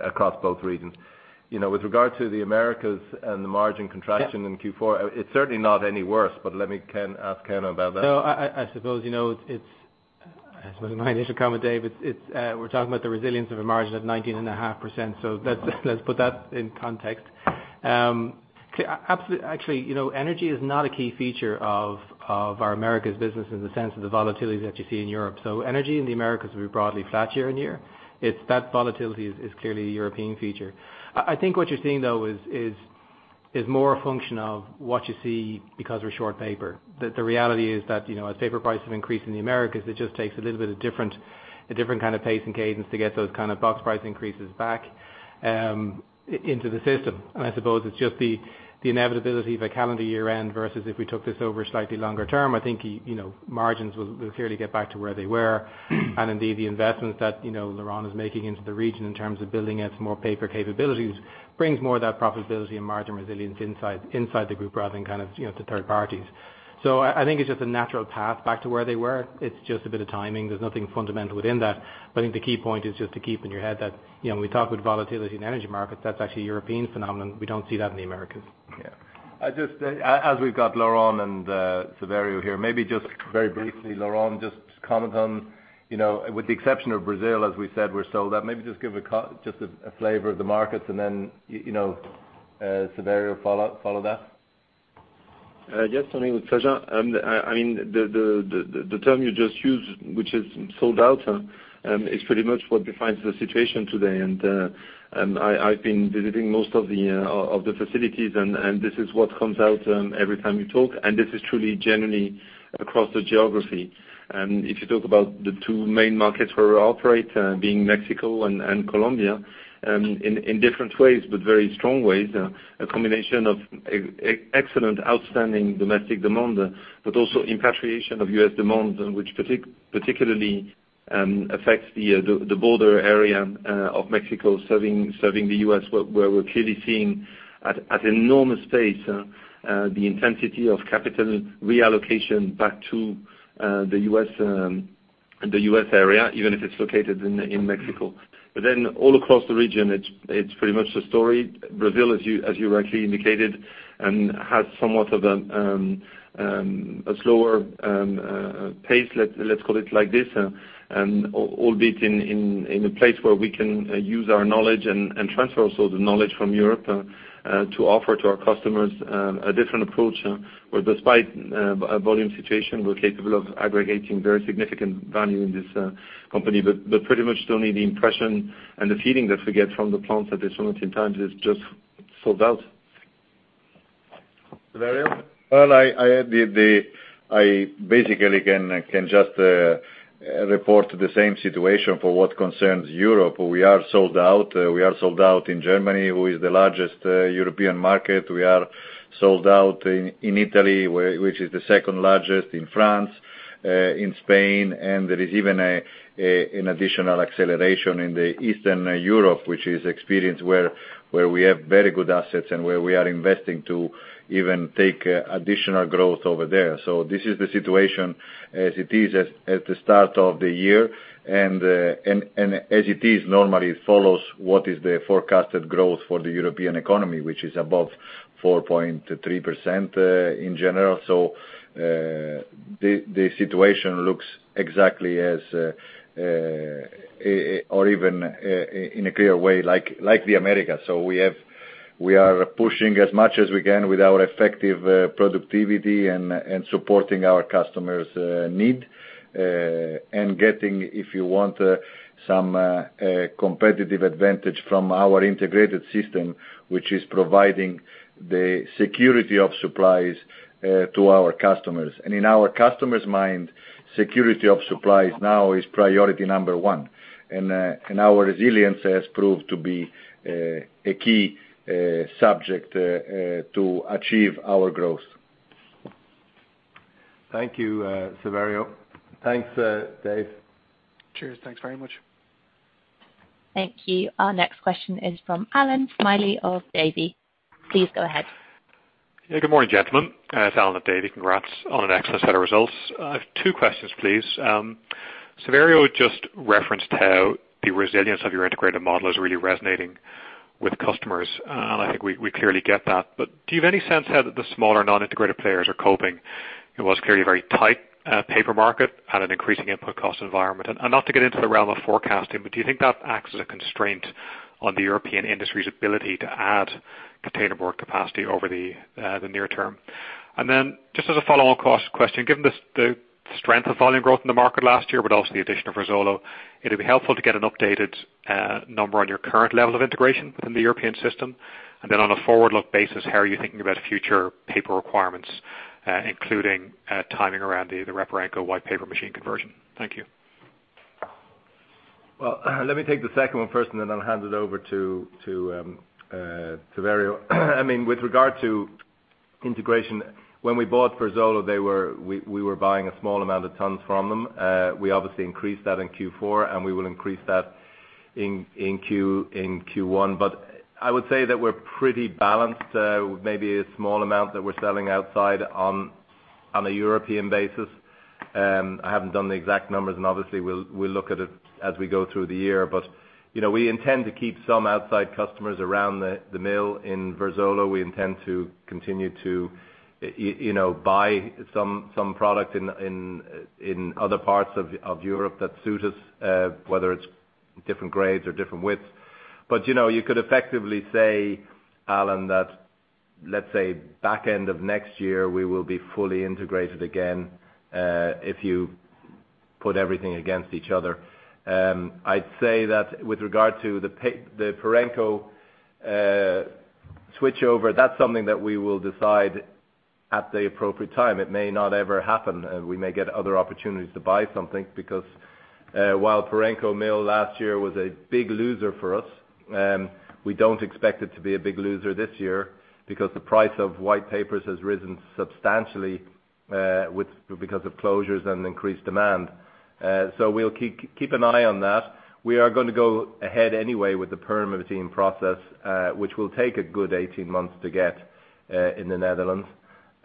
across both regions. You know, with regard to the Americas and the margin contraction in Q4, it's certainly not any worse, but let me, Ken, ask Ken about that. No, I suppose, you know, it's, I suppose my initial comment, David. It's, we're talking about the resilience of a margin of 19.5%. Let's put that in context. Actually, you know, energy is not a key feature of our Americas business in the sense of the volatility that you see in Europe. Energy in the Americas will be broadly flat year-on-year. It's that volatility is clearly a European feature. I think what you're seeing, though, is Is more a function of what you see because we're short paper. The reality is that, you know, as paper prices have increased in the Americas, it just takes a little bit of a different kind of pace and cadence to get those kind of box price increases back into the system. I suppose it's just the inevitability of a calendar year-end versus if we took this over slightly longer term. I think you know, margins will clearly get back to where they were. Indeed, the investments that, you know, Laurent is making into the region in terms of building out some more paper capabilities brings more of that profitability and margin resilience inside the group rather than kind of, you know, to third parties. I think it's just a natural path back to where they were. It's just a bit of timing. There's nothing fundamental within that. I think the key point is just to keep in your head that, you know, when we talk about volatility in energy markets, that's actually a European phenomenon. We don't see that in the Americas. Yeah. I just, as we've got Laurent and Saverio here, maybe just very briefly, Laurent, just comment on, you know, with the exception of Brazil, as we said, we're sold out. Maybe just give just a flavor of the markets and then, you know, Saverio follow up, follow that. Yes, Tony, with pleasure. I mean, the term you just used, which is sold out, is pretty much what defines the situation today. I've been visiting most of the facilities, and this is what comes out every time you talk. This is truly, genuinely across the geography. If you talk about the two main markets where we operate, being Mexico and Colombia, in different ways, but very strong ways, a combination of excellent, outstanding domestic demand, but also repatriation of U.S. demand, which particularly affects the border area of Mexico serving the U.S., where we're clearly seeing at enormous pace the intensity of capital reallocation back to the U.S., the U.S. area, even if it's located in Mexico. Then all across the region, it's pretty much the story. Brazil, as you rightly indicated, has somewhat of a slower pace, let's call it like this. Albeit in a place where we can use our knowledge and transfer also the knowledge from Europe to offer to our customers a different approach. Where despite a volume situation, we're capable of aggregating very significant value in this company. Pretty much, Tony, the impression and the feeling that we get from the plants at this point in time is just sold out. Saverio? Well, I basically can just report the same situation for what concerns Europe. We are sold out. We are sold out in Germany, which is the largest European market. We are sold out in Italy, which is the second largest in France, in Spain. There is even an additional acceleration in Eastern Europe, which is experiencing where we have very good assets and where we are investing to even take additional growth over there. This is the situation as it is at the start of the year. It normally follows what is the forecasted growth for the European economy, which is above 4.3% in general. The situation looks exactly as or even in a clear way, like the Americas. We are pushing as much as we can with our effective productivity and supporting our customers' need and getting, if you want, some competitive advantage from our integrated system, which is providing the security of supplies to our customers. In our customers' mind, security of supplies now is priority number one. Our resilience has proved to be a key subject to achieve our growth. Thank you, Saverio. Thanks, Dave. Cheers. Thanks very much. Thank you. Our next question is from Allan Smylie of Davy. Please go ahead. Yeah, good morning, gentlemen. It's Allan Smylie at Davy. Congrats on an excellent set of results. I have two questions, please. Saverio Mayer just referenced how the resilience of your integrated model is really resonating with customers. I think we clearly get that. Do you have any sense how the smaller, non-integrated players are coping? It was clearly a very tight paper market and an increasing input cost environment. Not to get into the realm of forecasting, but do you think that acts as a constraint on the European industry's ability to add containerboard capacity over the near term? Just as a follow-on cost question, given the strength of volume growth in the market last year, but also the addition of Verzuolo, it'd be helpful to get an updated number on your current level of integration within the European system. On a forward-look basis, how are you thinking about future paper requirements, including timing around the Reparenco white paper machine conversion? Thank you. Well, let me take the second one first, and then I'll hand it over to Saverio. I mean, with regard to integration, when we bought Verzuolo, we were buying a small amount of tons from them. We obviously increased that in Q4, and we will increase that in Q1. But I would say that we're pretty balanced, maybe a small amount that we're selling outside on a European basis. I haven't done the exact numbers, and obviously, we'll look at it as we go through the year. But, you know, we intend to keep some outside customers around the mill. In Verzuolo, we intend to continue to you know, buy some product in other parts of Europe that suit us, whether it's different grades or different widths. You know, you could effectively say, Allan, that, let's say, back end of next year, we will be fully integrated again, if you put everything against each other. I'd say that with regard to the Reparenco switchover, that's something that we will decide at the appropriate time. It may not ever happen, and we may get other opportunities to buy something because, while Reparenco mill last year was a big loser for us, we don't expect it to be a big loser this year because the price of white papers has risen substantially, because of closures and increased demand. We'll keep an eye on that. We are gonna go ahead anyway with the permitting process, which will take a good 18 months to get, in the Netherlands.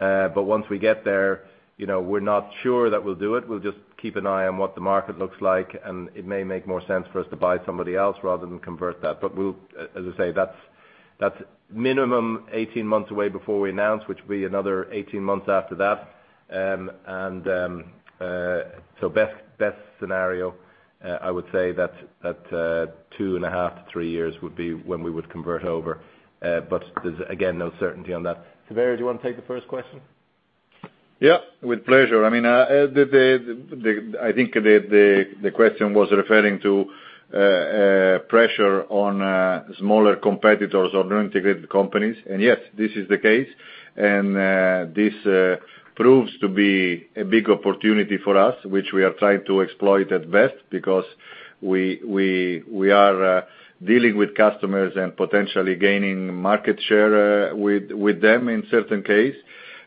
Once we get there, you know, we're not sure that we'll do it. We'll just keep an eye on what the market looks like, and it may make more sense for us to buy somebody else rather than convert that. As I say, that's minimum 18 months away before we announce, which will be another 18 months after that. Best scenario, I would say that's at two and a half, three years would be when we would convert over. There's again no certainty on that. Saverio, do you wanna take the first question? Yeah, with pleasure. I mean, I think the question was referring to pressure on smaller competitors or non-integrated companies. Yes, this is the case. This proves to be a big opportunity for us, which we are trying to exploit at best because we are dealing with customers and potentially gaining market share with them in certain case.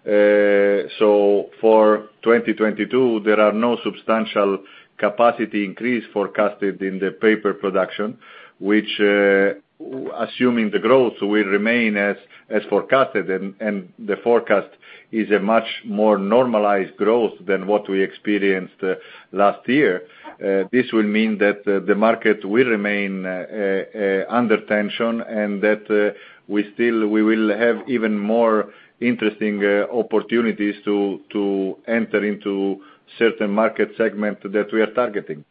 For 2022, there are no substantial capacity increase forecasted in the paper production, which assuming the growth will remain as forecasted. The forecast is a much more normalized growth than what we experienced last year. This will mean that the market will remain under tension, and that we will have even more interesting opportunities to enter into certain market segment that we are targeting.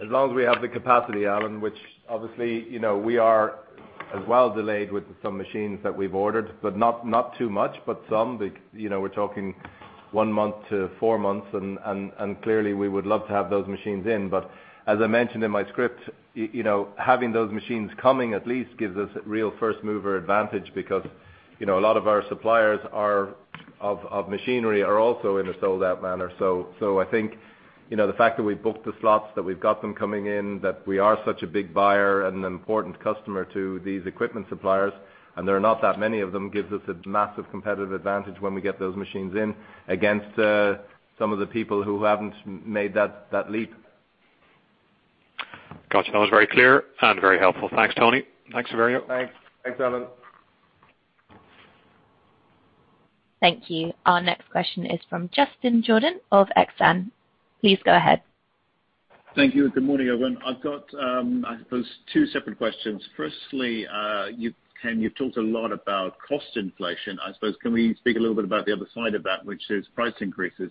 As long as we have the capacity, Allan, which obviously, you know, we are also delayed with some machines that we've ordered, but not too much, but some. You know, we're talking one month to four months, and clearly we would love to have those machines in. As I mentioned in my script, you know, having those machines coming at least gives us real first mover advantage because, you know, a lot of our suppliers of machinery are also in a sold-out manner. I think, you know, the fact that we've booked the slots, that we've got them coming in, that we are such a big buyer and an important customer to these equipment suppliers, and there are not that many of them, gives us a massive competitive advantage when we get those machines in against some of the people who haven't made that leap. Got you. That was very clear and very helpful. Thanks, Tony. Thanks, Saverio. Thanks. Thanks, Allan. Thank you. Our next question is from Justin Jordan of Davy. Please go ahead. Thank you and good morning, everyone. I've got, I suppose two separate questions. Firstly, you, Ken, you've talked a lot about cost inflation. I suppose, can we speak a little bit about the other side of that, which is price increases?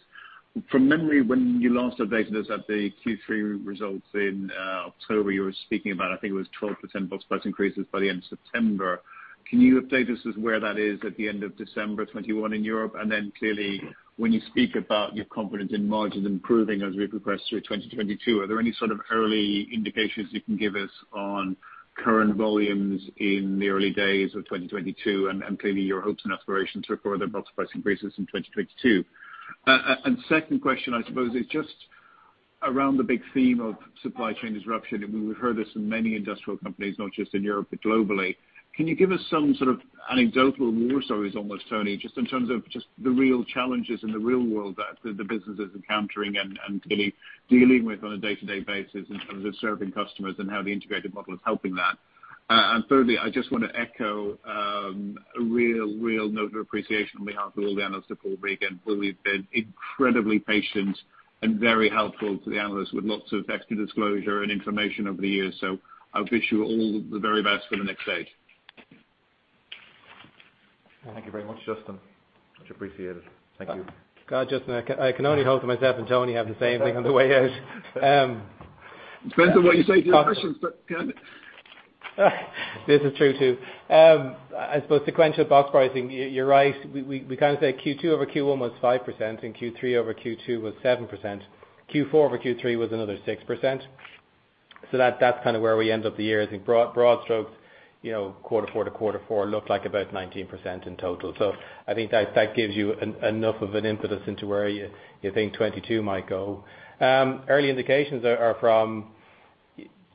From memory, when you last updated us at the Q3 results in October, you were speaking about, I think it was 12% box price increases by the end of September. Can you update us on where that is at the end of December 2021 in Europe? And then clearly, when you speak about your confidence in margins improving as we progress through 2022, are there any sort of early indications you can give us on current volumes in the early days of 2022 and clearly your hopes and aspirations for further box price increases in 2022? Second question, I suppose it's just around the big theme of supply chain disruption. We've heard this in many industrial companies, not just in Europe, but globally. Can you give us some sort of anecdotal war stories almost, Tony, just in terms of just the real challenges in the real world that the business is encountering and clearly dealing with on a day-to-day basis in terms of serving customers and how the integrated model is helping that? Thirdly, I just wanna echo a real note of appreciation on behalf of all the analysts at Paul Regan. You've been incredibly patient and very helpful to the analysts with lots of extra disclosure and information over the years. I wish you all the very best for the next stage. Thank you very much, Justin. Much appreciated. Thank you. God, Justin, I can only hope that myself and Tony have the same thing on the way out. Depends on what you say to your questions, but yeah. This is true, too. I suppose sequential box pricing. You're right. We kind of say Q2 over Q1 was 5%, and Q3 over Q2 was 7%. Q4 over Q3 was another 6%. That is kind of where we end up the year. I think broad strokes, you know, quarter four to quarter four looked like about 19% in total. I think that gives you enough of an impetus into where you think 2022 might go. Early indications are from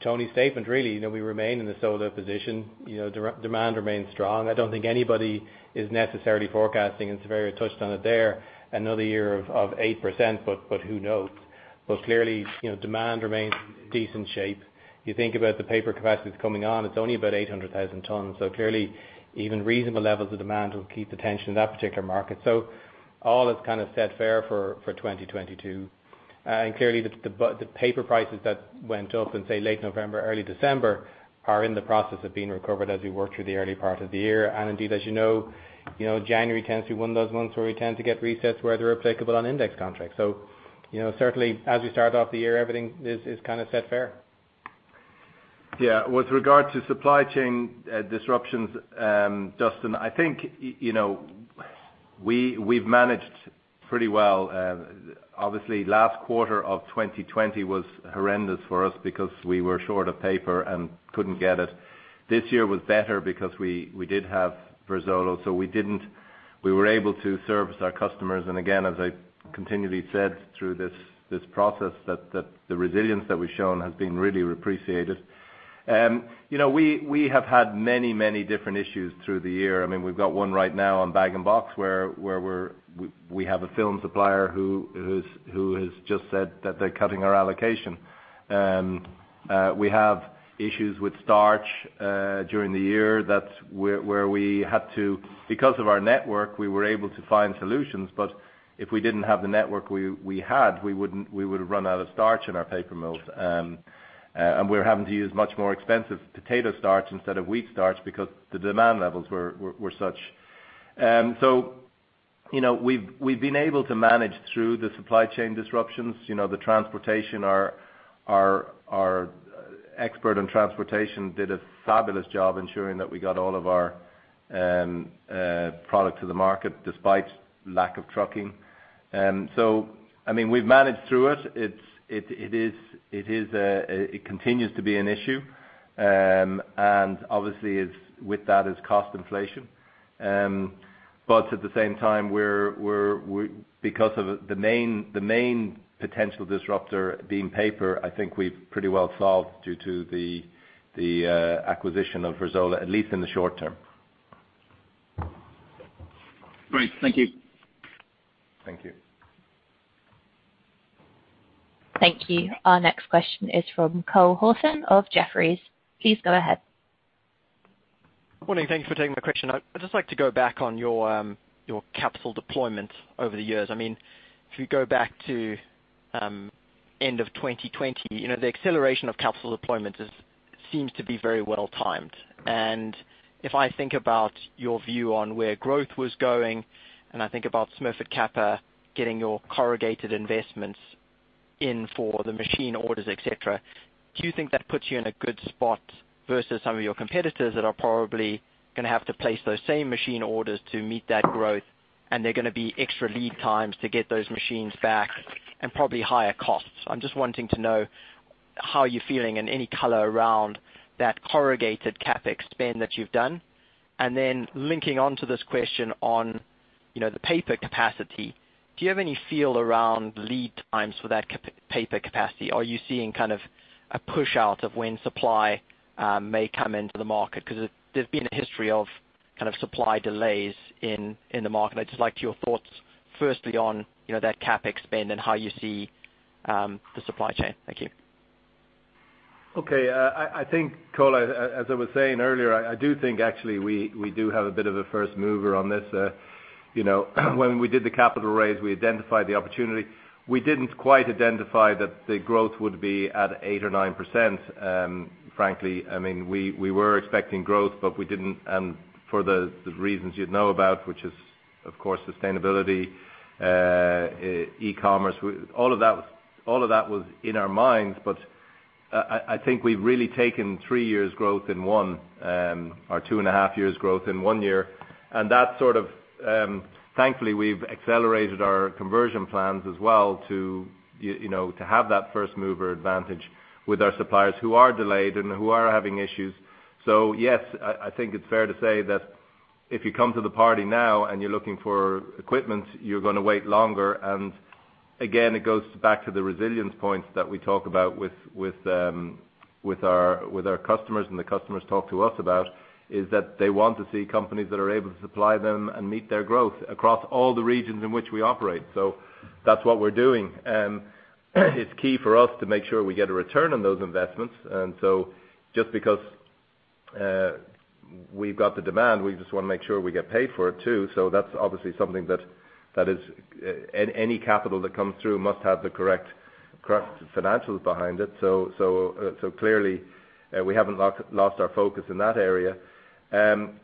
Tony's statement, really, that we remain in the sold-out position. You know, demand remains strong. I don't think anybody is necessarily forecasting, and Saverio touched on it there, another year of 8%, but who knows? Clearly, you know, demand remains in decent shape. You think about the paper capacity that's coming on, it's only about 800,000 tons. Clearly, even reasonable levels of demand will keep the tension in that particular market. All is kind of set fair for 2022. Clearly the paper prices that went up in, say, late November, early December, are in the process of being recovered as we work through the early part of the year. Indeed, as you know, January tends to be one of those months where we tend to get resets where they're applicable on index contracts. You know, certainly as we start off the year, everything is kind of set fair. Yeah. With regard to supply chain disruptions, Justin, I think you know, we've managed pretty well. Obviously last quarter of 2020 was horrendous for us because we were short of paper and couldn't get it. This year was better because we did have Verzuolo, so we were able to service our customers. Again, as I continually said through this process that the resilience that we've shown has been really appreciated. You know, we have had many different issues through the year. I mean, we've got one right now on Bag-in-Box where we have a film supplier who has just said that they're cutting our allocation. We have issues with starch during the year. Because of our network, we were able to find solutions, but if we didn't have the network we wouldn't have run out of starch in our paper mills. We're having to use much more expensive potato starch instead of wheat starch because the demand levels were such. You know, we've been able to manage through the supply chain disruptions. You know, the transportation, our expert on transportation did a fabulous job ensuring that we got all of our product to the market despite lack of trucking. I mean, we've managed through it. It is. It continues to be an issue. Obviously, with that is cost inflation. Because of the main potential disruptor being paper, I think we've pretty well solved due to the acquisition of Verzuolo, at least in the short term. Great. Thank you. Thank you. Thank you. Our next question is from Cole Hathorn of Jefferies. Please go ahead. Morning. Thank you for taking my question. I'd just like to go back on your your capital deployment over the years. I mean, if you go back to end of 2020, you know, the acceleration of capital deployment seems to be very well timed. If I think about your view on where growth was going, and I think about Smurfit Kappa getting your corrugated investments in for the machine orders, et cetera, do you think that puts you in a good spot versus some of your competitors that are probably gonna have to place those same machine orders to meet that growth, and they're gonna be extra lead times to get those machines back and probably higher costs? I'm just wanting to know how you're feeling and any color around that corrugated CapEx spend that you've done. Linking on to this question on, you know, the paper capacity, do you have any feel around lead times for that paper capacity? Are you seeing kind of a push out of when supply may come into the market? 'Cause there's been a history of kind of supply delays in the market. I'd just like your thoughts, firstly, on, you know, that CapEx spend and how you see the supply chain. Thank you. Okay. I think, Cole, as I was saying earlier, I do think actually we do have a bit of a first mover on this. You know, when we did the capital raise, we identified the opportunity. We didn't quite identify that the growth would be at 8% or 9%, frankly. I mean, we were expecting growth, but we didn't for the reasons you'd know about, which is, of course, sustainability, e-commerce. All of that was in our minds, but I think we've really taken three years' growth in one or two and a half years' growth in one year. That sort of, thankfully, we've accelerated our conversion plans as well to you know, to have that first mover advantage with our suppliers who are delayed and who are having issues. Yes, I think it's fair to say that if you come to the party now and you're looking for equipment, you're gonna wait longer. Again, it goes back to the resilience points that we talk about with our customers and the customers talk to us about, is that they want to see companies that are able to supply them and meet their growth across all the regions in which we operate. That's what we're doing. It's key for us to make sure we get a return on those investments. Just because we've got the demand, we just wanna make sure we get paid for it, too. That's obviously something that is. Any capital that comes through must have the correct financials behind it. Clearly, we haven't lost our focus in that area.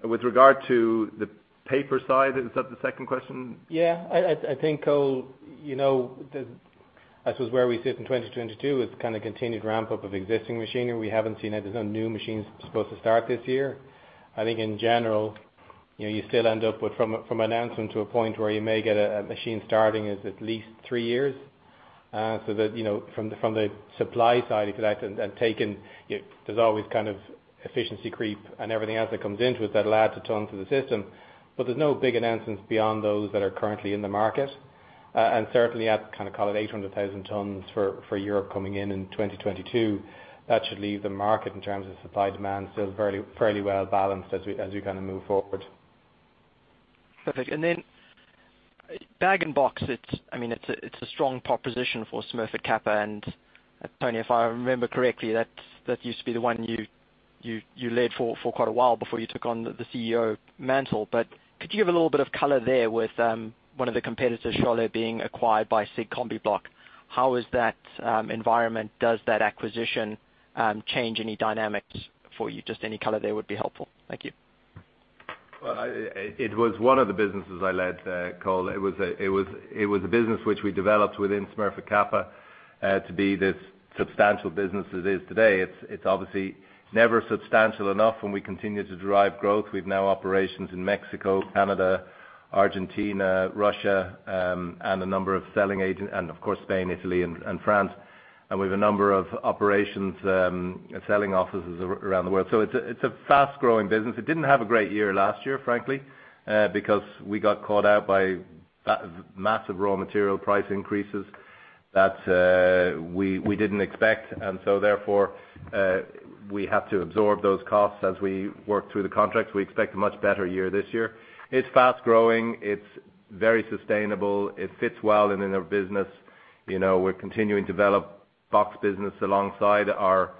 With regard to the paper side, is that the second question? Yeah. I think, Cole, you know, that's where we sit in 2022 is kind of continued ramp up of existing machinery. We haven't seen it. There's no new machines supposed to start this year. I think in general, you know, you still end up with from announcement to a point where you may get a machine starting is at least three years. So that, you know, from the supply side, if you'd like, and taken, there's always kind of efficiency creep and everything else that comes into it that adds a ton to the system. There's no big announcements beyond those that are currently in the market. Certainly at, kinda call it 800,000 tons for Europe coming in in 2022, that should leave the market in terms of supply demand still fairly well balanced as we kinda move forward. Perfect. Then Bag-in-Box, I mean, it's a strong proposition for Smurfit Kappa. Tony, if I remember correctly, that used to be the one you led for quite a while before you took on the CEO mantle. Could you give a little bit of color there with one of the competitors, Scholle, being acquired by SIG Combibloc? How is that environment? Does that acquisition change any dynamics for you? Just any color there would be helpful. Thank you. Well, it was one of the businesses I led, Cole. It was a business which we developed within Smurfit Kappa to be this substantial business it is today. It's obviously never substantial enough, and we continue to derive growth. We've now operations in Mexico, Canada, Argentina, Russia, and a number of selling agents, and of course, Spain, Italy, and France. We've a number of operations, selling offices around the world. It's a fast-growing business. It didn't have a great year last year, frankly, because we got caught out by massive raw material price increases that we didn't expect. Therefore, we had to absorb those costs as we worked through the contracts. We expect a much better year this year. It's fast-growing. It's very sustainable. It fits well in our business. You know, we're continuing to develop box business alongside our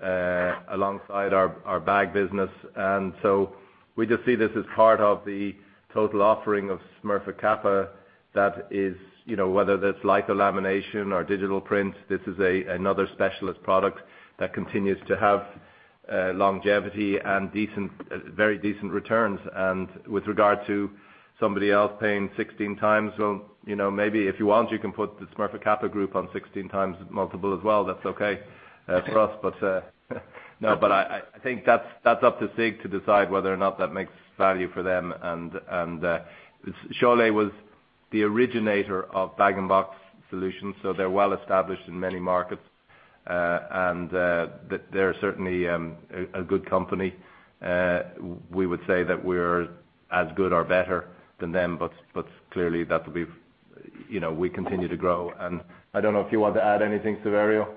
bag business. We just see this as part of the total offering of Smurfit Kappa that is, you know, whether that's like a lamination or digital print, this is another specialist product that continues to have longevity and decent, very decent returns. With regard to somebody else paying 16 times, well, you know, maybe if you want, you can put the Smurfit Kappa Group on 16 times multiple as well. That's okay for us. No, I think that's up to SIG to decide whether or not that makes value for them. Scholle was the originator of Bag-in-Box solutions, so they're well established in many markets. They're certainly a good company. We would say that we're as good or better than them, but clearly that would be, you know, we continue to grow. I don't know if you want to add anything, Saverio.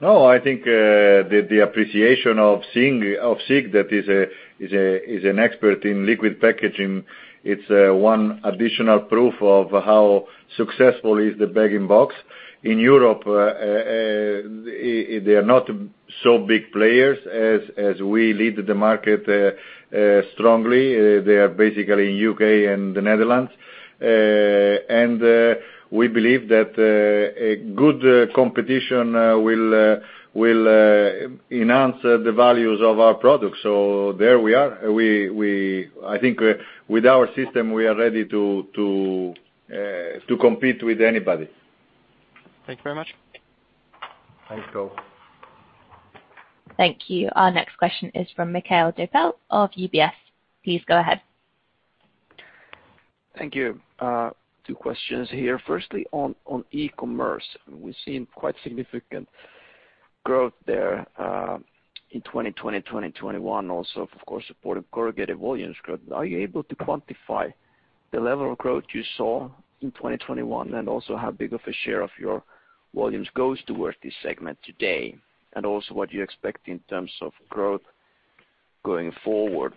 No, I think the appreciation of seeing SIG that is an expert in liquid packaging, it's one additional proof of how successful is the Bag-in-Box. In Europe, they are not so big players as we lead the market strongly. They are basically U.K. and the Netherlands. We believe that a good competition will enhance the values of our products. There we are. I think with our system, we are ready to compete with anybody. Thank you very much. Thanks, Cole. Thank you. Our next question is from Mikael Doepel of UBS. Please go ahead. Thank you. Two questions here. Firstly, on e-commerce. We've seen quite significant growth there, in 2020, 2021 also, of course, supportive corrugated volumes growth. Are you able to quantify the level of growth you saw in 2021? And also, how big of a share of your volumes goes towards this segment today? And also what do you expect in terms of growth going forward,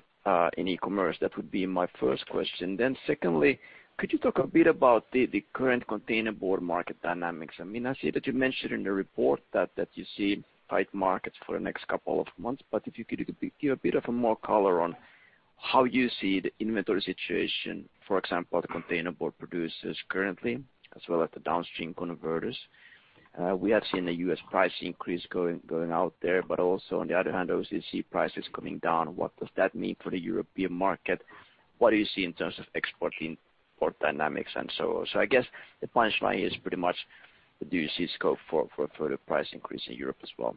in e-commerce? That would be my first question. Secondly, could you talk a bit about the current containerboard market dynamics? I mean, I see that you mentioned in the report that you see tight markets for the next couple of months, but if you could give a bit more color on how you see the inventory situation, for example, the containerboard producers currently, as well as the downstream converters. We have seen the U.S. price increase going out there, but also on the other hand, OCC prices coming down. What does that mean for the European market? What do you see in terms of export in board dynamics and so on? I guess the punchline is pretty much, do you see scope for further price increase in Europe as well?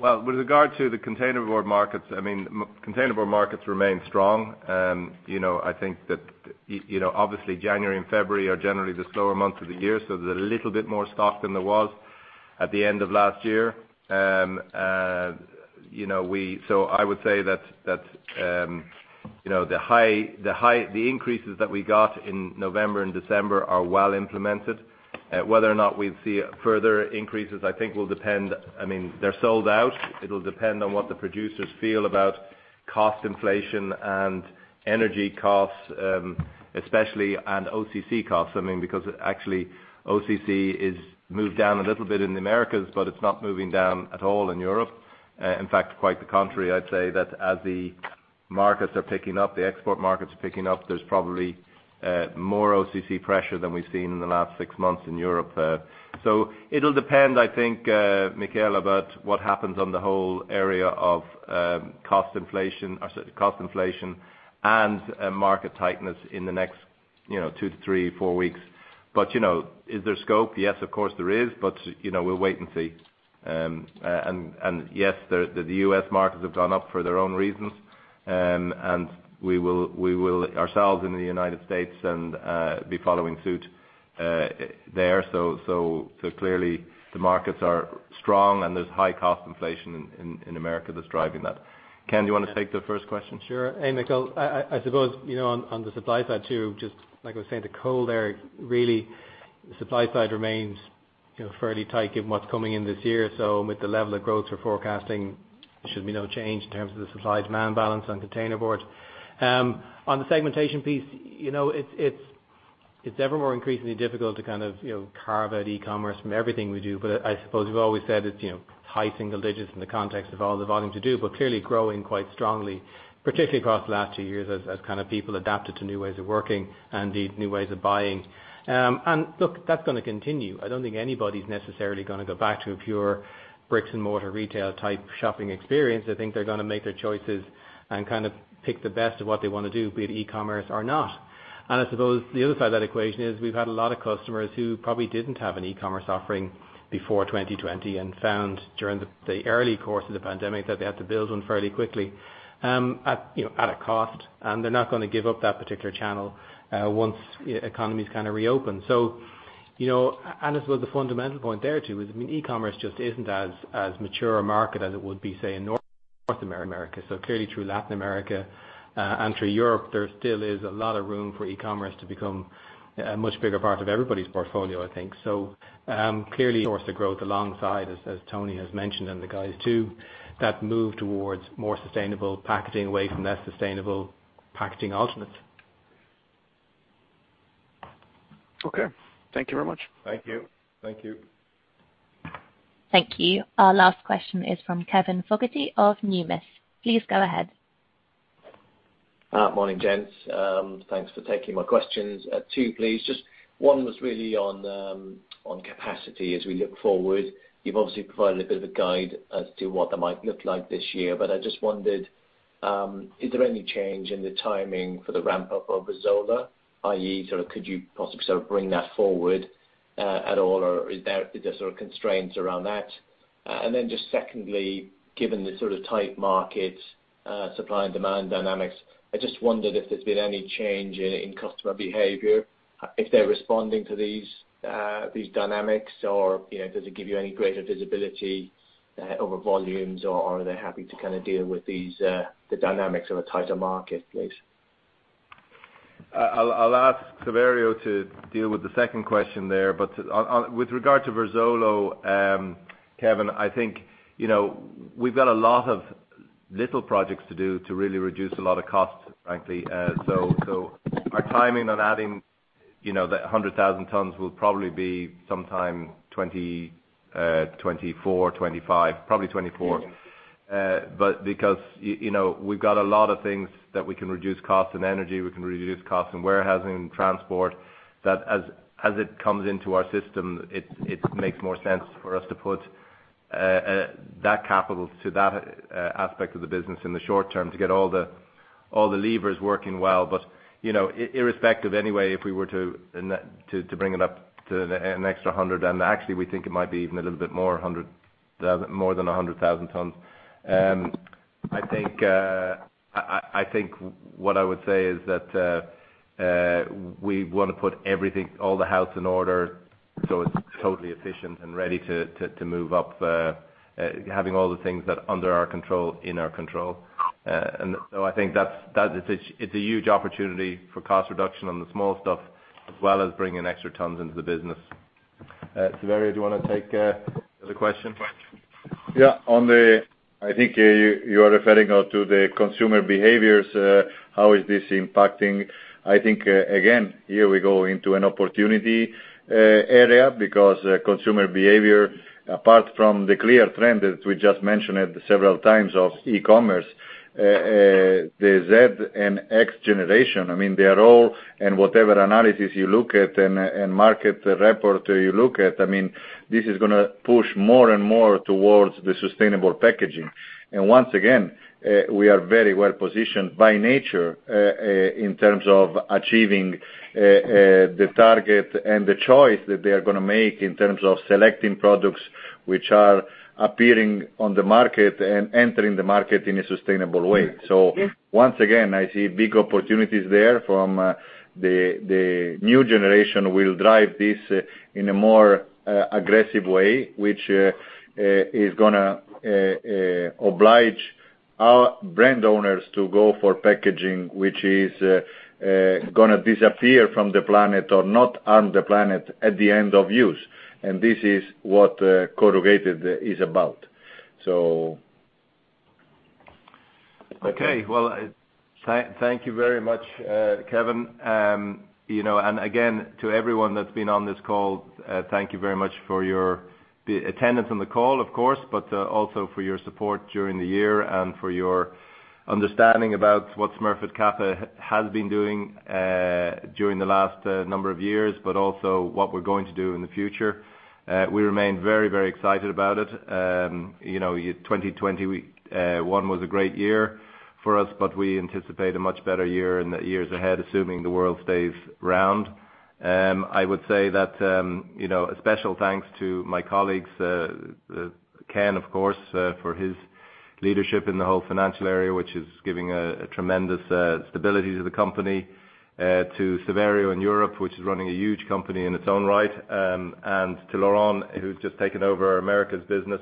Well, with regard to the containerboard markets, I mean, containerboard markets remain strong. You know, I think that, you know, obviously January and February are generally the slower months of the year, so there's a little bit more stock than there was at the end of last year. I would say that, you know, the increases that we got in November and December are well implemented. Whether or not we'd see further increases, I think will depend. I mean, they're sold out. It'll depend on what the producers feel about cost inflation and energy costs, especially, and OCC costs. I mean, because actually, OCC has moved down a little bit in the Americas, but it's not moving down at all in Europe. In fact, quite the contrary, I'd say that as the markets are picking up, the export markets are picking up, there's probably more OCC pressure than we've seen in the last six months in Europe there. It'll depend, I think, Mikael, about what happens on the whole area of cost inflation and market tightness in the next, you know, two to three, four weeks. Is there scope? Yes, of course there is. We'll wait and see. And yes, the U.S. markets have gone up for their own reasons. And we will ourselves in the United States and be following suit there. Clearly the markets are strong and there's high cost inflation in America that's driving that. Ken, do you wanna take the first question? Sure. Hey, Mikael. I suppose, you know, on the supply side too, just like I was saying to Cole there, really, supply side remains, you know, fairly tight given what's coming in this year. With the level of growth we're forecasting, should be no change in terms of the supply demand balance on containerboard. On the segmentation piece, you know, it's evermore increasingly difficult to kind of, you know, carve out e-commerce from everything we do. I suppose we've always said it's, you know, high single digits in the context of all the volumes we do, but clearly growing quite strongly. Particularly across the last two years as kind of people adapted to new ways of working and indeed new ways of buying. Look, that's gonna continue. I don't think anybody's necessarily gonna go back to a pure bricks and mortar retail type shopping experience. I think they're gonna make their choices and kind of pick the best of what they wanna do, be it e-commerce or not. I suppose the other side of that equation is we've had a lot of customers who probably didn't have an e-commerce offering before 2020, and found during the early course of the pandemic that they had to build one fairly quickly, at you know at a cost, and they're not gonna give up that particular channel once the economy's kind of reopened. You know, and as well the fundamental point there, too, is, I mean, e-commerce just isn't as mature a market as it would be, say, in North America. Clearly through Latin America, and through Europe, there still is a lot of room for e-commerce to become a much bigger part of everybody's portfolio, I think. Clearly source of growth alongside, as Tony has mentioned, and the guys too, that move towards more sustainable packaging, away from less sustainable packaging ultimately. Okay. Thank you very much. Thank you. Thank you. Thank you. Our last question is from Kevin Fogarty of Deutsche Numis. Please go ahead. Morning, gents. Thanks for taking my questions. Two, please. Just one was really on capacity as we look forward. You've obviously provided a bit of a guide as to what that might look like this year, but I just wondered, is there any change in the timing for the ramp-up of Verzuolo, i.e. sort of could you possibly sort of bring that forward at all, or is there sort of constraints around that? Just secondly, given the sort of tight markets, supply and demand dynamics, I just wondered if there's been any change in customer behavior, if they're responding to these dynamics or, you know, does it give you any greater visibility over volumes or are they happy to kind of deal with these the dynamics of a tighter market, please? I'll ask Saverio to deal with the second question there. On with regard to Verzuolo, Kevin, I think, you know, we've got a lot of little projects to do to really reduce a lot of costs, frankly. Our timing on adding, you know, the 100,000 tons will probably be sometime 2024, 2025, probably 2024. Because you know, we've got a lot of things that we can reduce costs and energy, we can reduce costs in warehousing, transport, that as it comes into our system, it makes more sense for us to put that capital to that aspect of the business in the short term to get all the levers working well. Irrespective anyway, you know, if we were to bring it up to an extra 100, and actually we think it might be even a little bit more, more than 100,000 tons. I think what I would say is that we wanna put our house in order so it's totally efficient and ready to move up, having all the things that are under our control in our control. I think that's a huge opportunity for cost reduction on the small stuff as well as bringing extra tons into the business. Saverio, do you wanna take the question? Yeah. I think you are referring to the consumer behaviors, how is this impacting? I think, again, here we go into an opportunity area because consumer behavior, apart from the clear trend that we just mentioned several times of e-commerce, the Z and X generation, I mean, they are all and whatever analysis you look at and market report you look at, I mean, this is gonna push more and more towards the sustainable packaging. Once again, we are very well positioned by nature in terms of achieving the target and the choice that they are gonna make in terms of selecting products which are appearing on the market and entering the market in a sustainable way. Once again, I see big opportunities there from the new generation will drive this in a more aggressive way, which is gonna oblige our brand owners to go for packaging, which is gonna disappear from the planet or not harm the planet at the end of use. This is what corrugated is about. Okay. Well, thank you very much, Kevin. You know, again, to everyone that's been on this call, thank you very much for your attendance on the call, of course, but also for your support during the year and for your understanding about what Smurfit Kappa has been doing during the last number of years, but also what we're going to do in the future. We remain very, very excited about it. You know, 2021 was a great year for us, but we anticipate a much better year in the years ahead, assuming the world stays round. I would say that, you know, a special thanks to my colleagues, Ken, of course, for his leadership in the whole financial area, which is giving a tremendous stability to the company, to Saverio in Europe, which is running a huge company in its own right, and to Laurent, who's just taken over the Americas' business.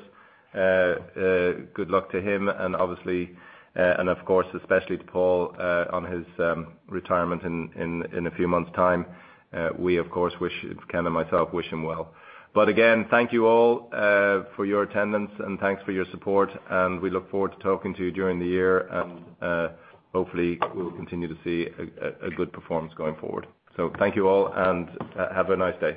Good luck to him and obviously and of course, especially to Paul, on his retirement in a few months' time. We of course wish, Ken and myself, wish him well. Again, thank you all for your attendance and thanks for your support, and we look forward to talking to you during the year and, hopefully we'll continue to see a good performance going forward. Thank you all, and have a nice day.